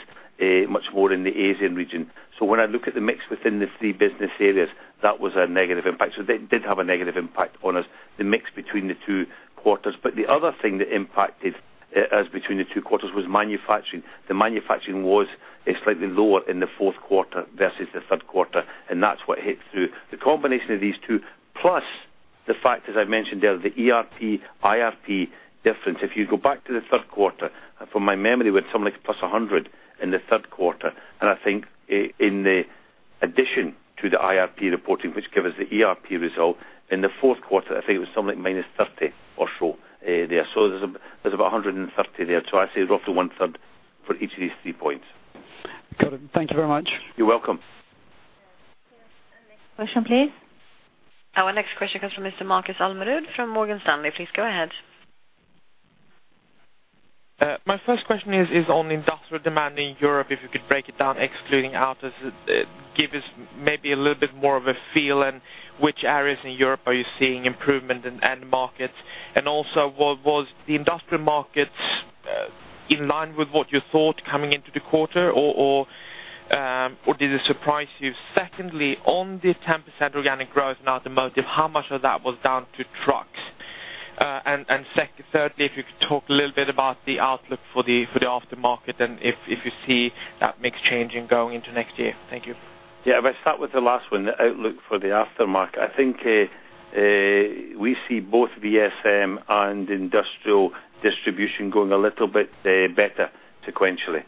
much more in the Asian region. So when I look at the mix within the three business areas, that was a negative impact. So they did have a negative impact on us, the mix between the two quarters. But the other thing that impacted us between the two quarters was manufacturing. The manufacturing was slightly lower in the fourth quarter versus the third quarter, and that's what hit through. The combination of these two, plus the fact, as I mentioned there, the ERP, IRP difference. If you go back to the third quarter, from my memory, went something like +100 in the third quarter. And I think in the addition to the IRP reporting, which gave us the ERP result, in the fourth quarter, I think it was something like minus 30 or so, there. So there's, there's about 130 there. So I'd say roughly one third for each of these three points. Got it. Thank you very much. You're welcome. Next question, please. Our next question comes from Mr. Marcus Almerud, from Morgan Stanley. Please go ahead. My first question is on industrial demand in Europe. If you could break it down, give us maybe a little bit more of a feel in which areas in Europe are you seeing improvement in end markets? And also, what was the industrial markets in line with what you thought coming into the quarter, or did it surprise you? Secondly, on the 10% organic growth in automotive, how much of that was down to trucks?... and secondly, thirdly, if you could talk a little bit about the outlook for the, for the aftermarket, and if, if you see that mix changing going into next year? Thank you. Yeah, if I start with the last one, the outlook for the aftermarket, I think, we see both VSM and industrial distribution going a little bit better sequentially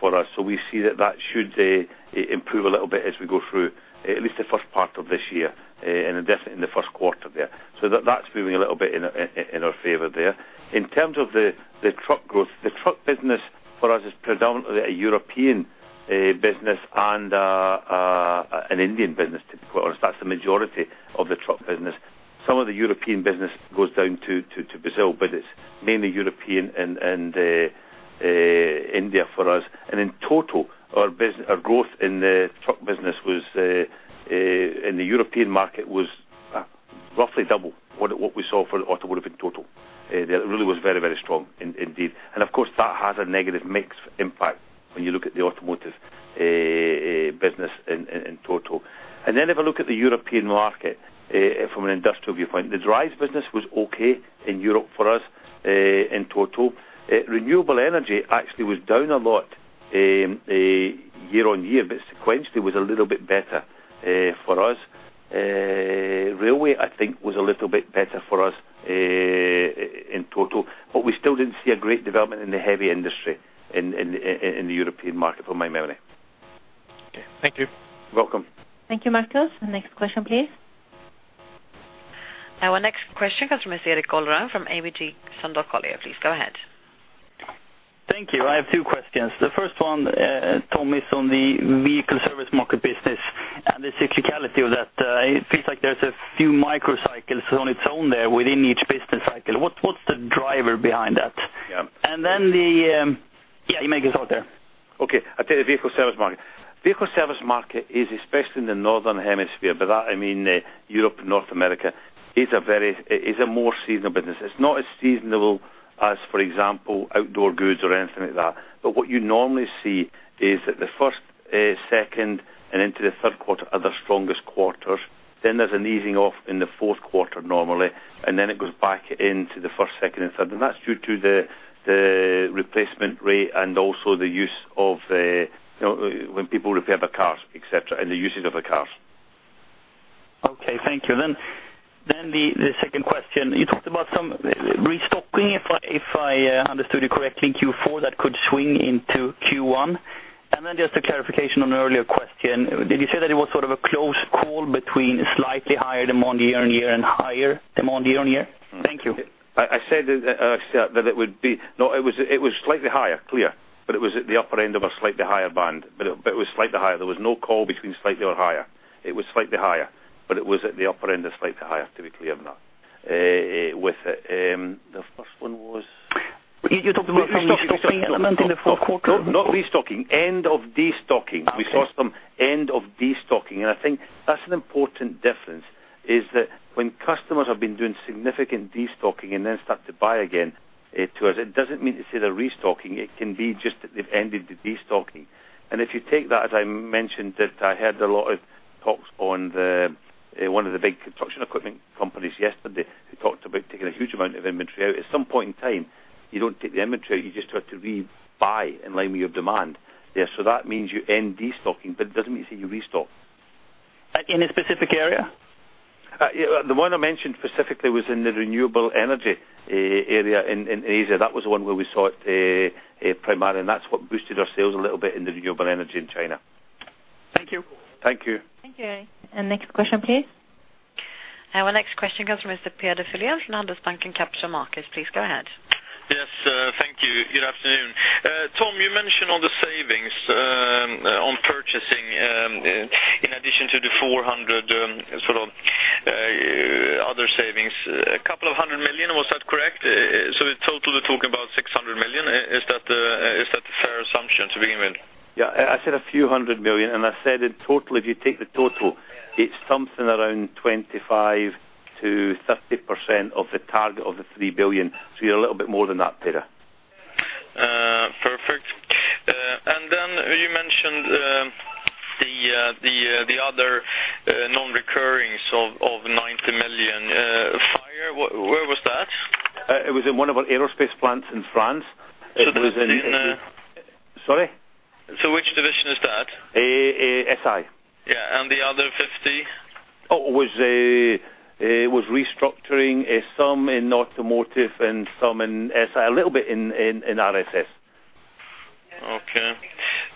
for us. So we see that that should improve a little bit as we go through at least the first part of this year, and definitely in the first quarter there. So that, that's moving a little bit in our favor there. In terms of the truck growth, the truck business for us is predominantly a European business and an Indian business, to put it, that's the majority of the truck business. Some of the European business goes down to Brazil, but it's mainly European and India for us. In total, our growth in the truck business was in the European market roughly double what we saw for the automotive in total. That really was very, very strong indeed. Of course, that has a negative mix impact when you look at the automotive business in total. Then if I look at the European market from an industrial viewpoint, the drives business was okay in Europe for us in total. Renewable energy actually was down a lot year-on-year, but sequentially was a little bit better for us. Railway, I think, was a little bit better for us in total, but we still didn't see a great development in the heavy industry in the European market, from my memory. Okay. Thank you. Welcome. Thank you, Marcus. The next question, please. Our next question comes from Erik Golrang from ABG Sundal Collier. Please, go ahead. Thank you. I have two questions. The first one, Tom, is on the vehicle service market business and the cyclicality of that. It seems like there's a few micro cycles on its own there within each business cycle. What's the driver behind that? Yeah. Yeah, you may guess out there. Okay, I'll tell you, the vehicle service market. Vehicle service market is especially in the Northern Hemisphere, by that I mean Europe and North America, is a very, is a more seasonal business. It's not as seasonal as, for example, outdoor goods or anything like that. But what you normally see is that the first, second and into the third quarter are the strongest quarters. Then there's an easing off in the fourth quarter, normally, and then it goes back into the first, second and third. And that's due to the, the replacement rate and also the use of the, when people repair their cars, et cetera, and the usage of the cars. Okay, thank you. Then the second question, you talked about some restocking, if I understood you correctly, in Q4, that could swing into Q1. And then just a clarification on an earlier question. Did you say that it was sort of a close call between slightly higher demand year-on-year and higher demand year-on-year? Thank you. I said that it would be... No, it was slightly higher, clear, but it was at the upper end of a slightly higher band, but it was slightly higher. There was no call between slightly or higher. It was slightly higher, but it was at the upper end of slightly higher, to be clear on that. With it, the first one was? You talked about restocking at the moment in the fourth quarter. Not restocking. End of destocking. Okay. We saw some end of destocking, and I think that's an important difference, is that when customers have been doing significant destocking and then start to buy again, to us, it doesn't mean to say they're restocking. It can be just that they've ended the destocking. And if you take that, as I mentioned, that I heard a lot of talks on the, one of the big construction equipment companies yesterday, who talked about taking a huge amount of inventory out. At some point in time, you don't take the inventory out, you just have to rebuy in line with your demand. Yeah, so that means you end destocking, but it doesn't mean to say you restock. In a specific area? Yeah. The one I mentioned specifically was in the renewable energy area in Asia. That was the one where we saw it primarily, and that's what boosted our sales a little bit in the renewable energy in China. Thank you. Thank you. Thank you. Next question, please. Our next question comes from Mr. Peder Fröléen from Handelsbanken Capital Markets. Please, go ahead. Yes, thank you. Good afternoon. Tom, you mentioned all the savings on purchasing in addition to the 400 sort of other savings. A couple of hundred million, was that correct? So in total, we're talking about 600 million. Is that a fair assumption to begin with? Yeah, I said a few hundred million SEK, and I said in total, if you take the total, it's something around 25%-30% of the target of the 3 billion. So you're a little bit more than that, Peter. Perfect. And then you mentioned the other non-recurring of 90 million. Fire, where was that? It was in one of our aerospace plants in France. It was in- That was in, Sorry? Which division is that? A, SI. Yeah, and the other 50? Oh, it was restructuring, some in automotive and some in SI, a little bit in RSS. Okay,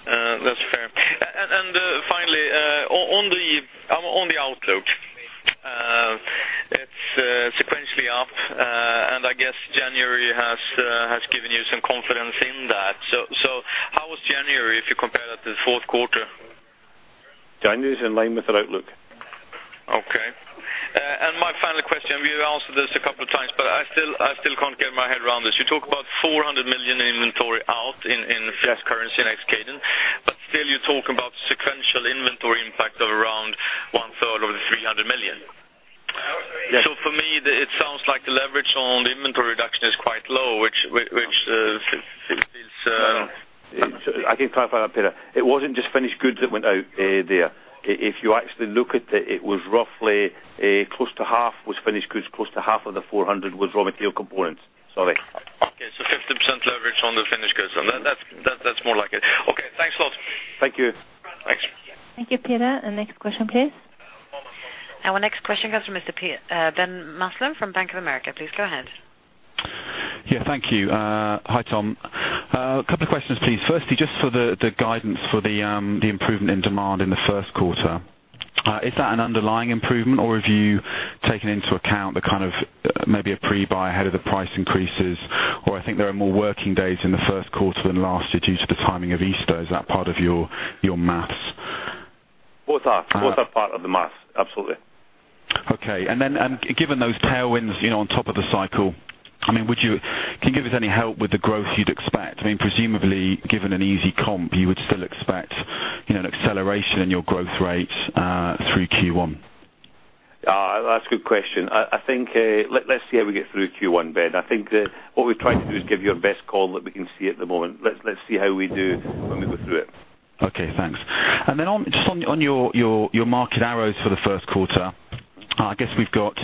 that's fair. And finally, on the outlook, it's sequentially up, and I guess January has given you some confidence in that. So, how was January, if you compare that to the fourth quarter? January is in line with our outlook. Okay. And my final question, you answered this a couple of times, but I still, I still can't get my head around this. You talk about 400 million in inventory out in, in- Yes... currency in next cadence, but still you talk about sequential inventory impact of around one-third of the 300 million. Yes. So for me, the, it sounds like the leverage on the inventory reduction is quite low, which, which,... I can clarify that, Peter. It wasn't just finished goods that went out, there. If you actually look at it, it was roughly a close to half was finished goods, close to half of the 400 was raw material components. Sorry. Okay, so 50% leverage on the finished goods. So that, that, that's more like it. Okay, thanks a lot. Thank you. Thanks. Thank you, Peter. Next question, please. Our next question comes from Mr. Ben Maslen from Bank of America. Please, go ahead. Yeah, thank you. Hi, Tom. A couple of questions, please. Firstly, just for the guidance for the improvement in demand in the first quarter. Is that an underlying improvement, or have you taken into account the kind of, maybe a pre-buy ahead of the price increases? Or I think there are more working days in the first quarter than last year due to the timing of Easter. Is that part of your math? Both are. Uh. Both are part of the math, absolutely. Okay. And then, given those tailwinds, you know, on top of the cycle, I mean, would you- can you give us any help with the growth you'd expect? I mean, presumably, given an easy comp, you would still expect, you know, an acceleration in your growth rate through Q1. That's a good question. I think, let's see how we get through Q1, Ben. I think that what we've tried to do is give you our best call that we can see at the moment. Let's see how we do when we go through it. Okay, thanks. And then on, just on your market areas for the first quarter, I guess we've got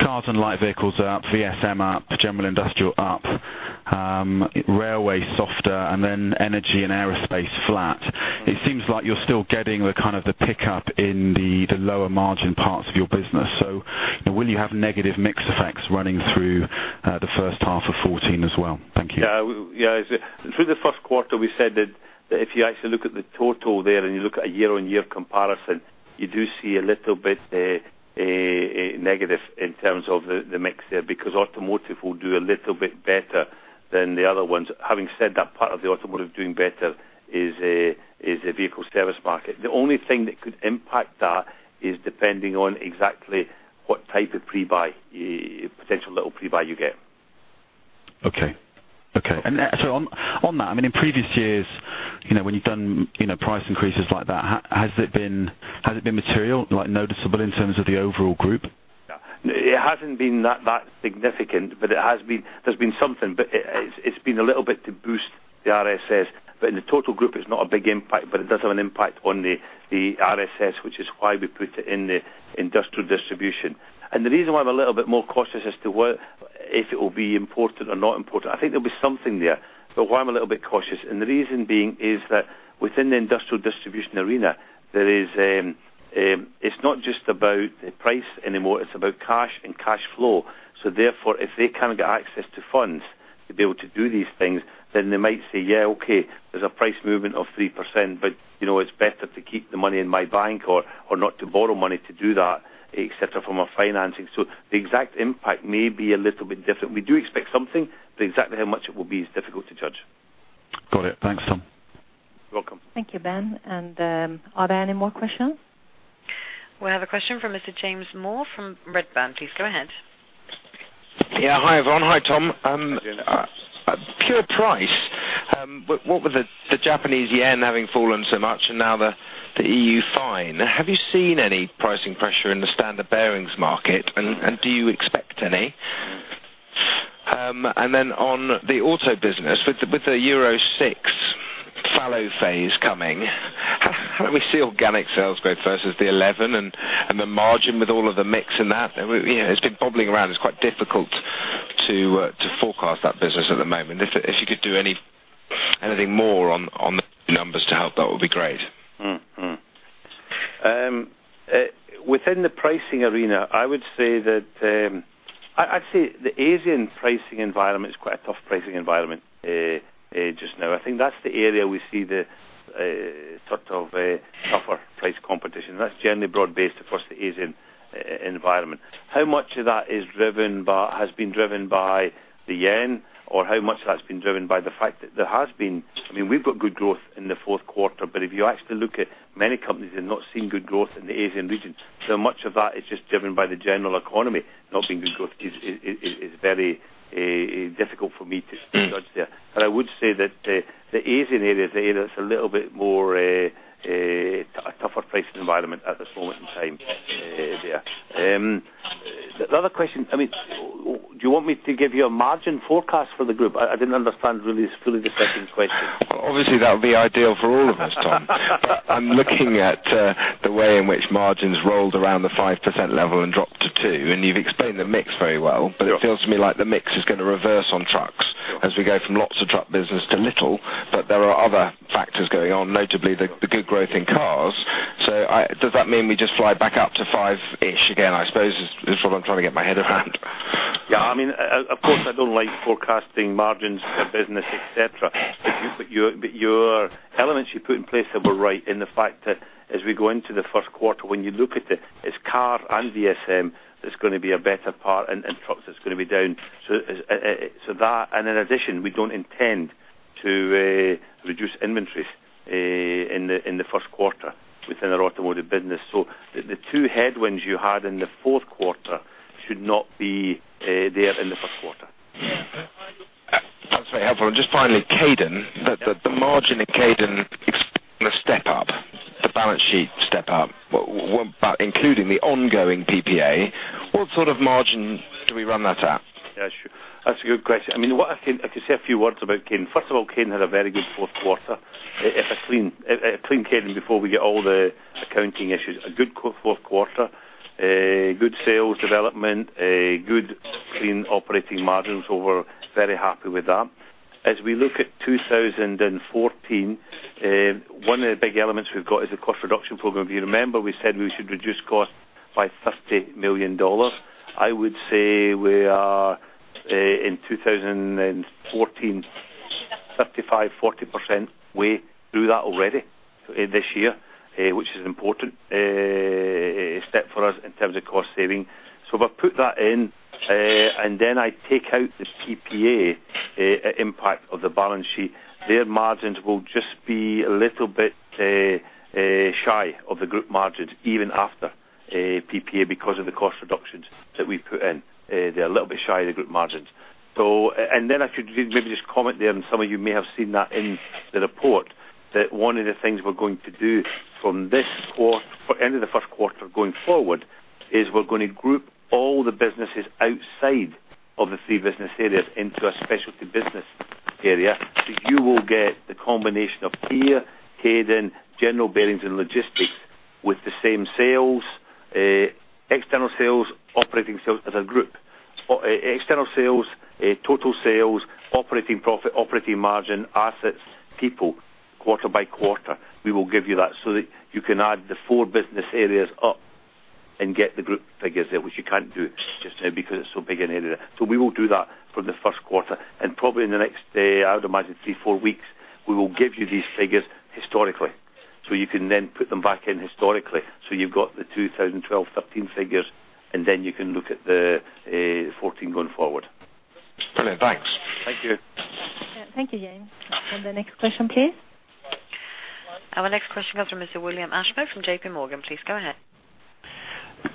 cars and light vehicles up, VSM up, general industrial up, railway softer, and then energy and aerospace flat. It seems like you're still getting the kind of the pickup in the lower margin parts of your business. So will you have negative mix effects running through the first half of 2014 as well? Thank you. Yeah, yeah. Through the first quarter, we said that if you actually look at the total there, and you look at a year-on-year comparison, you do see a little bit negative in terms of the mix there, because automotive will do a little bit better than the other ones. Having said that, part of the automotive doing better is a vehicle service market. The only thing that could impact that is depending on exactly what type of pre-buy potential little pre-buy you get. Okay. Okay, and so on, on that, I mean, in previous years, you know, when you've done, you know, price increases like that, has it been, has it been material, like, noticeable in terms of the overall group? Yeah. It hasn't been that significant, but it has been... There's been something, but it's been a little bit to boost the RSS. But in the total group, it's not a big impact, but it does have an impact on the RSS, which is why we put it in the industrial distribution. And the reason why I'm a little bit more cautious as to what if it will be important or not important, I think there'll be something there. But why I'm a little bit cautious, and the reason being is that within the industrial distribution arena, there is, it's not just about the price anymore, it's about cash and cash flow. So therefore, if they can't get access to funds to be able to do these things, then they might say: Yeah, okay, there's a price movement of 3%, but, you know, it's better to keep the money in my bank or, or not to borrow money to do that, et cetera, from a financing. So the exact impact may be a little bit different. We do expect something, but exactly how much it will be is difficult to judge. Got it. Thanks, Tom. You're welcome. Thank you, Ben. Are there any more questions? We have a question from Mr. James Moore from Redburn. Please go ahead. Yeah. Hi, everyone. Hi, Tom. Hi, James. Pure price, with the Japanese yen having fallen so much, and now the EU fine, have you seen any pricing pressure in the standard bearings market, and do you expect any? On the auto business, with the Euro Six fallow phase coming, how do we see organic sales growth versus the eleven and the margin with all of the mix and that? You know, it's been bobbling around. It's quite difficult to forecast that business at the moment. If you could do anything more on the numbers to help, that would be great. Within the pricing arena, I would say that I'd say the Asian pricing environment is quite a tough pricing environment just now. I think that's the area we see the sort of a tougher price competition. That's generally broad-based across the Asian environment. How much of that is driven by, has been driven by the yen? Or how much of that has been driven by the fact that there has been... I mean, we've got good growth in the fourth quarter, but if you actually look at many companies, they've not seen good growth in the Asian region. So much of that is just driven by the general economy, not being good growth is very difficult for me to judge there. I would say that the Asian area is the area that's a little bit more a tougher pricing environment at this moment in time, there. The other question, I mean, do you want me to give you a margin forecast for the group? I didn't understand really fully the second question. Obviously, that would be ideal for all of us, Tom. But I'm looking at the way in which margins rolled around the 5% level and dropped to 2, and you've explained the mix very well. Yeah. But it feels to me like the mix is going to reverse on trucks as we go from lots of truck business to little, but there are other factors going on, notably the good growth in cars. So does that mean we just fly back up to five-ish again, I suppose, is what I'm trying to get my head around? Yeah, I mean, of course, I don't like forecasting margins for business, et cetera. But your elements you put in place there were right in the fact that as we go into the first quarter, when you look at it, it's car and VSM, that's going to be a better part, and trucks, it's going to be down. So that, and in addition, we don't intend to reduce inventories in the first quarter within our automotive business. So the two headwinds you had in the fourth quarter should not be there in the first quarter. That's very helpful. Just finally, Kaydon. The margin in Kaydon is going to step up? Should step up, but including the ongoing PPA, what sort of margin do we run that at? Yeah, sure. That's a good question. I mean, what I can say a few words about Kaydon. First of all, Kaydon had a very good fourth quarter. If I clean, clean Kaydon before we get all the accounting issues, a good fourth quarter, good sales development, a good clean operating margins, so we're very happy with that. As we look at 2014, one of the big elements we've got is a cost reduction program. If you remember, we said we should reduce cost by $50 million. I would say we are in 2014, 35%-40% way through that already, this year, which is important step for us in terms of cost saving. So if I put that in, and then I take out the PPA impact of the balance sheet, their margins will just be a little bit shy of the group margins, even after a PPA, because of the cost reductions that we've put in. They're a little bit shy of the group margins. So- and then if I could maybe just comment there, and some of you may have seen that in the report, that one of the things we're going to do from this quarter, for end of the first quarter going forward, is we're going to group all the businesses outside of the three business areas into a specialty business area. So you will get the combination of Kaydon, Lincoln, General Bearings and Logistics with the same sales, external sales, operating sales as a group. Or, external sales, total sales, operating profit, operating margin, assets, people, quarter by quarter. We will give you that so that you can add the 4 business areas up and get the group figures there, which you can't do just now because it's so big an area. So we will do that for the first quarter, and probably in the next, I would imagine, 3-4 weeks, we will give you these figures historically. So you can then put them back in historically. So you've got the 2012, 2013 figures, and then you can look at the 2014 going forward. Brilliant. Thanks. Thank you. Thank you, James. The next question, please? Our next question comes from Mr. William Ashbrook from J.P. Morgan. Please go ahead.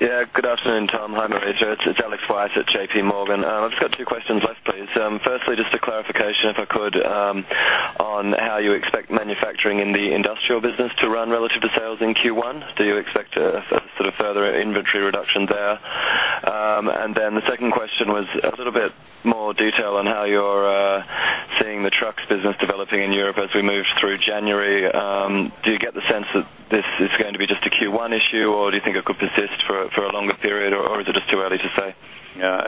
Yeah, good afternoon, Tom. Hi, Marita. It's Alex Weiss at J.P. Morgan. I've just got two questions left, please. Firstly, just a clarification, if I could, on how you expect manufacturing in the industrial business to run relative to sales in Q1. Do you expect a sort of further inventory reduction there? And then the second question was a little bit more detail on how you're seeing the trucks business developing in Europe as we move through January. Do you get the sense that this is going to be just a Q1 issue, or do you think it could persist for a longer period, or is it just too early to say? Yeah,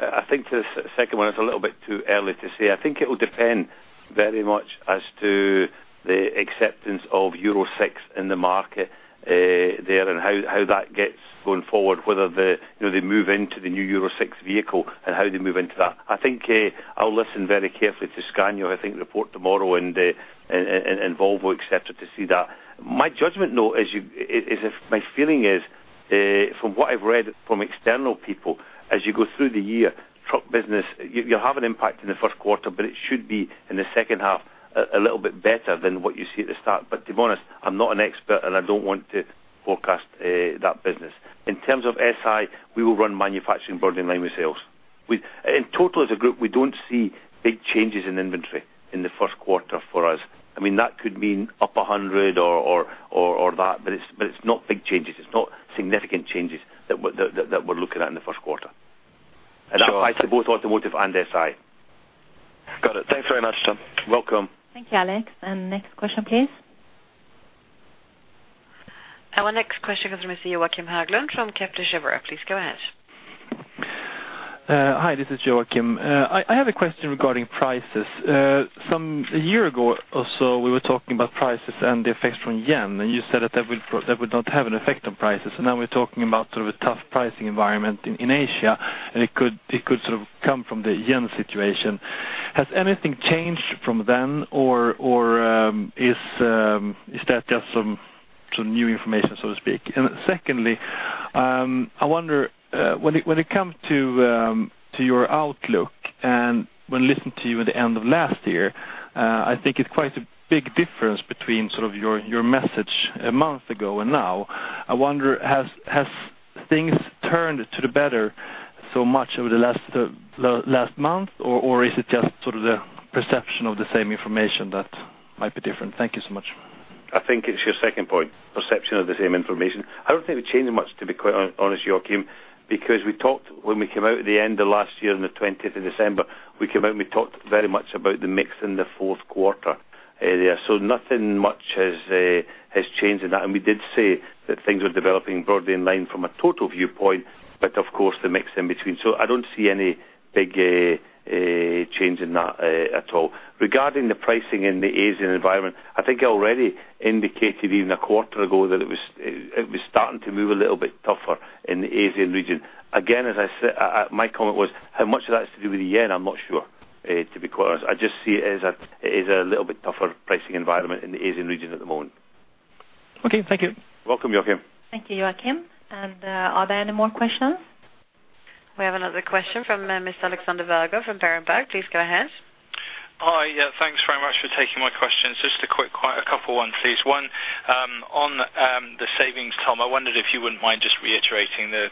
I think the second one is a little bit too early to say. I think it will depend very much as to the acceptance of Euro Six in the market, there, and how that gets going forward, whether, you know, they move into the new Euro Six vehicle and how they move into that. I think I'll listen very carefully to Scania, I think, report tomorrow and Volvo, et cetera, to see that. My judgment, though, as you... is my feeling is from what I've read from external people, as you go through the year, truck business, you'll have an impact in the first quarter, but it should be in the second half a little bit better than what you see at the start. But to be honest, I'm not an expert, and I don't want to forecast that business. In terms of SI, we will run manufacturing burden in line with sales. In total, as a group, we don't see big changes in inventory in the first quarter for us. I mean, that could mean up 100 or that, but it's not big changes. It's not significant changes that we're looking at in the first quarter. Sure. That applies to both automotive and SI. Got it. Thanks very much, Tom. Welcome. Thank you, Alex. Next question, please. Our next question comes from Joakim Höglund from Kepler Cheuvreux. Please go ahead. Hi, this is Joakim. I have a question regarding prices. Some, a year ago or so, we were talking about prices and the effects from yen, and you said that that would not have an effect on prices. And now we're talking about sort of a tough pricing environment in Asia, and it could sort of come from the yen situation. Has anything changed from then? Or, is that just some new information, so to speak? And secondly, I wonder, when it comes to your outlook, and when listening to you at the end of last year, I think it's quite a big difference between sort of your message a month ago and now. I wonder, has things turned to the better so much over the last month? Or is it just sort of the perception of the same information that might be different? Thank you so much. I think it's your second point, perception of the same information. I don't think we've changed much, to be quite honest, Joakim, because we talked when we came out at the end of last year, on the twentieth of December, we came out and we talked very much about the mix in the fourth quarter area. So nothing much has changed in that. And we did say that things were developing broadly in line from a total viewpoint, but of course, the mix in between. So I don't see any big change in that at all. Regarding the pricing in the Asian environment, I think I already indicated even a quarter ago that it was starting to move a little bit tougher in the Asian region. Again, as I said, my comment was, how much of that is to do with the yen? I'm not sure, to be quite honest. I just see it as a little bit tougher pricing environment in the Asian region at the moment. Okay, thank you. Welcome, Joakim. Thank you, Joakim. Are there any more questions? We have another question from Mr. Alexander Berger from Berenberg. Please go ahead. Hi, yeah, thanks very much for taking my questions. Just a quick, quite a couple ones, please. One, on, the savings, Tom, I wondered if you wouldn't mind just reiterating the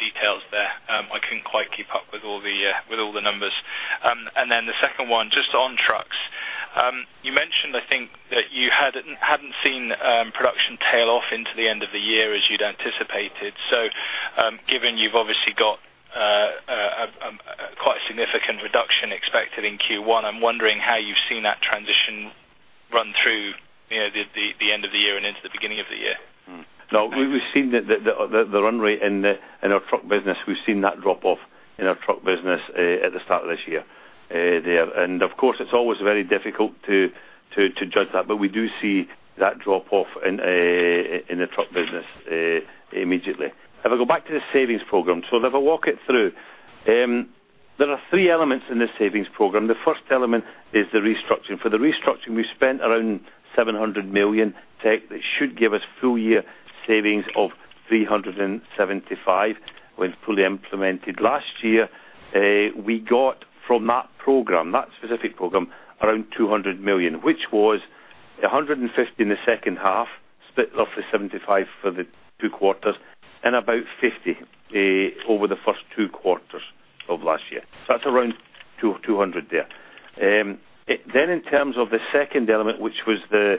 details there. I couldn't quite keep up with all the, with all the numbers. And then the second one, just on trucks.... You mentioned, I think, that you had, hadn't seen, production tail off into the end of the year as you'd anticipated. So, given you've obviously got, quite a significant reduction expected in Q1, I'm wondering how you've seen that transition run through, you know, the end of the year and into the beginning of the year? No, we've seen the run rate in our truck business. We've seen that drop off in our truck business at the start of this year. And of course, it's always very difficult to judge that, but we do see that drop off in the truck business immediately. If I go back to the savings program, so if I walk it through, there are three elements in this savings program. The first element is the restructuring. For the restructuring, we spent around 700 million. That should give us full year savings of 375 million when fully implemented. Last year, we got from that program, that specific program, around 200 million, which was 150 in the second half, split roughly 75 for the two quarters and about 50 over the first two quarters of last year. So that's around 200 there. Then in terms of the second element, which was the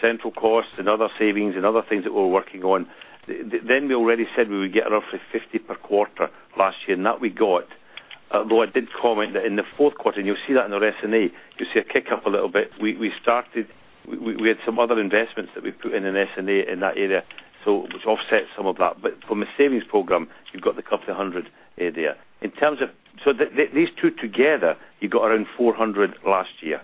central costs and other savings and other things that we're working on, then we already said we would get roughly 50 per quarter last year, and that we got. Although I did comment that in the fourth quarter, and you'll see that in our S&A, you'll see a kick-up a little bit. We had some other investments that we've put in an S&A in that area, so which offset some of that. From a savings program, you've got the couple of hundred there. In terms of these two together, you got around 400 last year.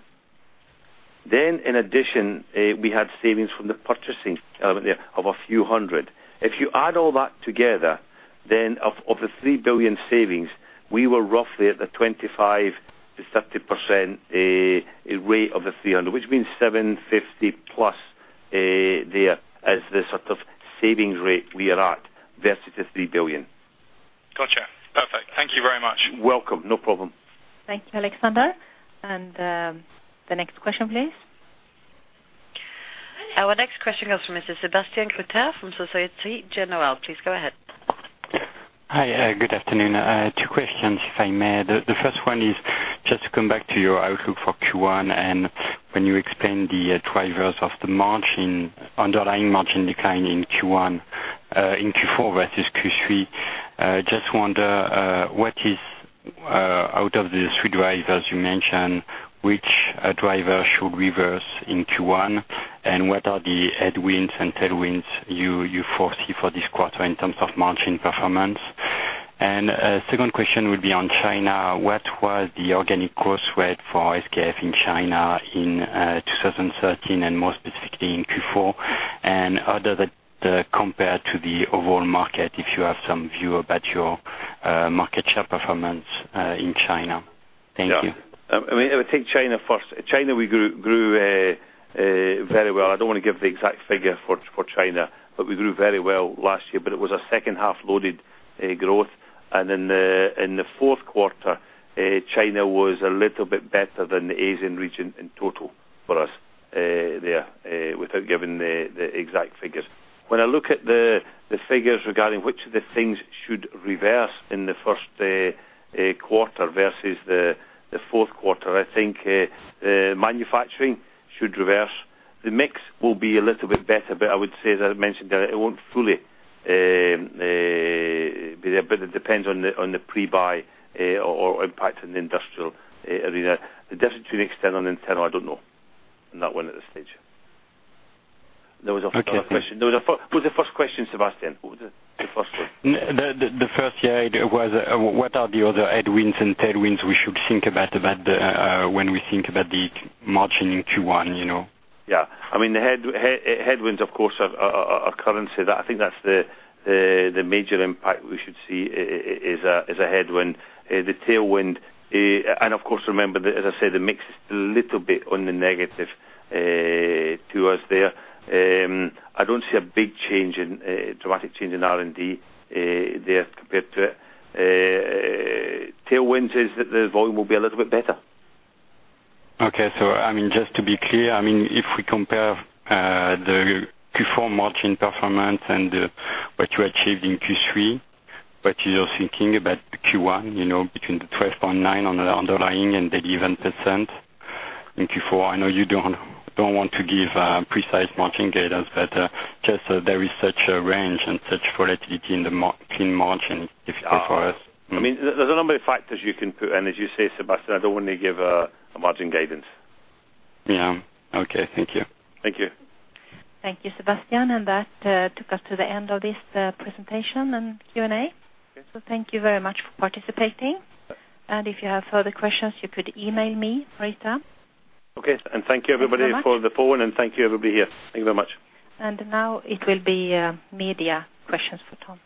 In addition, we had savings from the purchasing element there of a few hundred. If you add all that together, then of the 3 billion savings, we were roughly at the 25%-30% rate of the 300, which means 750 plus there as the sort of savings rate we are at, versus the 3 billion. Gotcha. Perfect. Thank you very much. Welcome. No problem. Thank you, Alexander. And, the next question, please. Our next question comes from Mr. Sébastien Gruter from Société Générale. Please, go ahead. Hi, good afternoon. I had two questions, if I may. The, the first one is just to come back to your outlook for Q1, and when you explain the, drivers of the margin, underlying margin decline in Q1, in Q4 versus Q3, I just wonder, what is, out of the three drivers you mentioned, which, driver should reverse in Q1? And what are the headwinds and tailwinds you, you foresee for this quarter in terms of margin performance? And a second question would be on China. What was the organic growth rate for SKF in China in, 2013 and more specifically in Q4? And how does that, compare to the overall market, if you have some view about your, market share performance, in China? Thank you. Yeah. I mean, I will take China first. China, we grew very well. I don't want to give the exact figure for China, but we grew very well last year, but it was a second half-loaded growth. And in the fourth quarter, China was a little bit better than the Asian region in total for us, there, without giving the exact figures. When I look at the figures regarding which of the things should reverse in the first quarter versus the fourth quarter, I think manufacturing should reverse. The mix will be a little bit better, but I would say, as I mentioned, that it won't fully, but it depends on the pre-buy or impact on the industrial area. The difference between external and internal, I don't know, not well at this stage. Okay. What was the first question, Sebastian? What was the first one? What are the other headwinds and tailwinds we should think about when we think about the margin in Q1, you know? Yeah. I mean, the headwinds, of course, are currency. That, I think that's the major impact we should see is a headwind. The tailwind... And of course, remember that, as I said, the mix is a little bit on the negative to us there. I don't see a big change in dramatic change in R&D there compared to it. Tailwinds is that the volume will be a little bit better. Okay. So I mean, just to be clear, I mean, if we compare the Q4 margin performance and what you achieved in Q3, what you're thinking about Q1, you know, between the 12.9 on the underlying and the 11% in Q4. I know you don't want to give precise margin guidance, but just there is such a range and such volatility in the margin difficult for us. I mean, there's a number of factors you can put, and as you say, Sebastian, I don't want to give a margin guidance. Yeah. Okay. Thank you. Thank you. Thank you, Sebastian. That took us to the end of this presentation and Q&A. Okay. Thank you very much for participating. Okay. If you have further questions, you could email me, Marita. Okay. Thank you, everybody- Thank you very much. For the phone, and thank you, everybody here. Thank you very much. Now it will be media questions for Tom.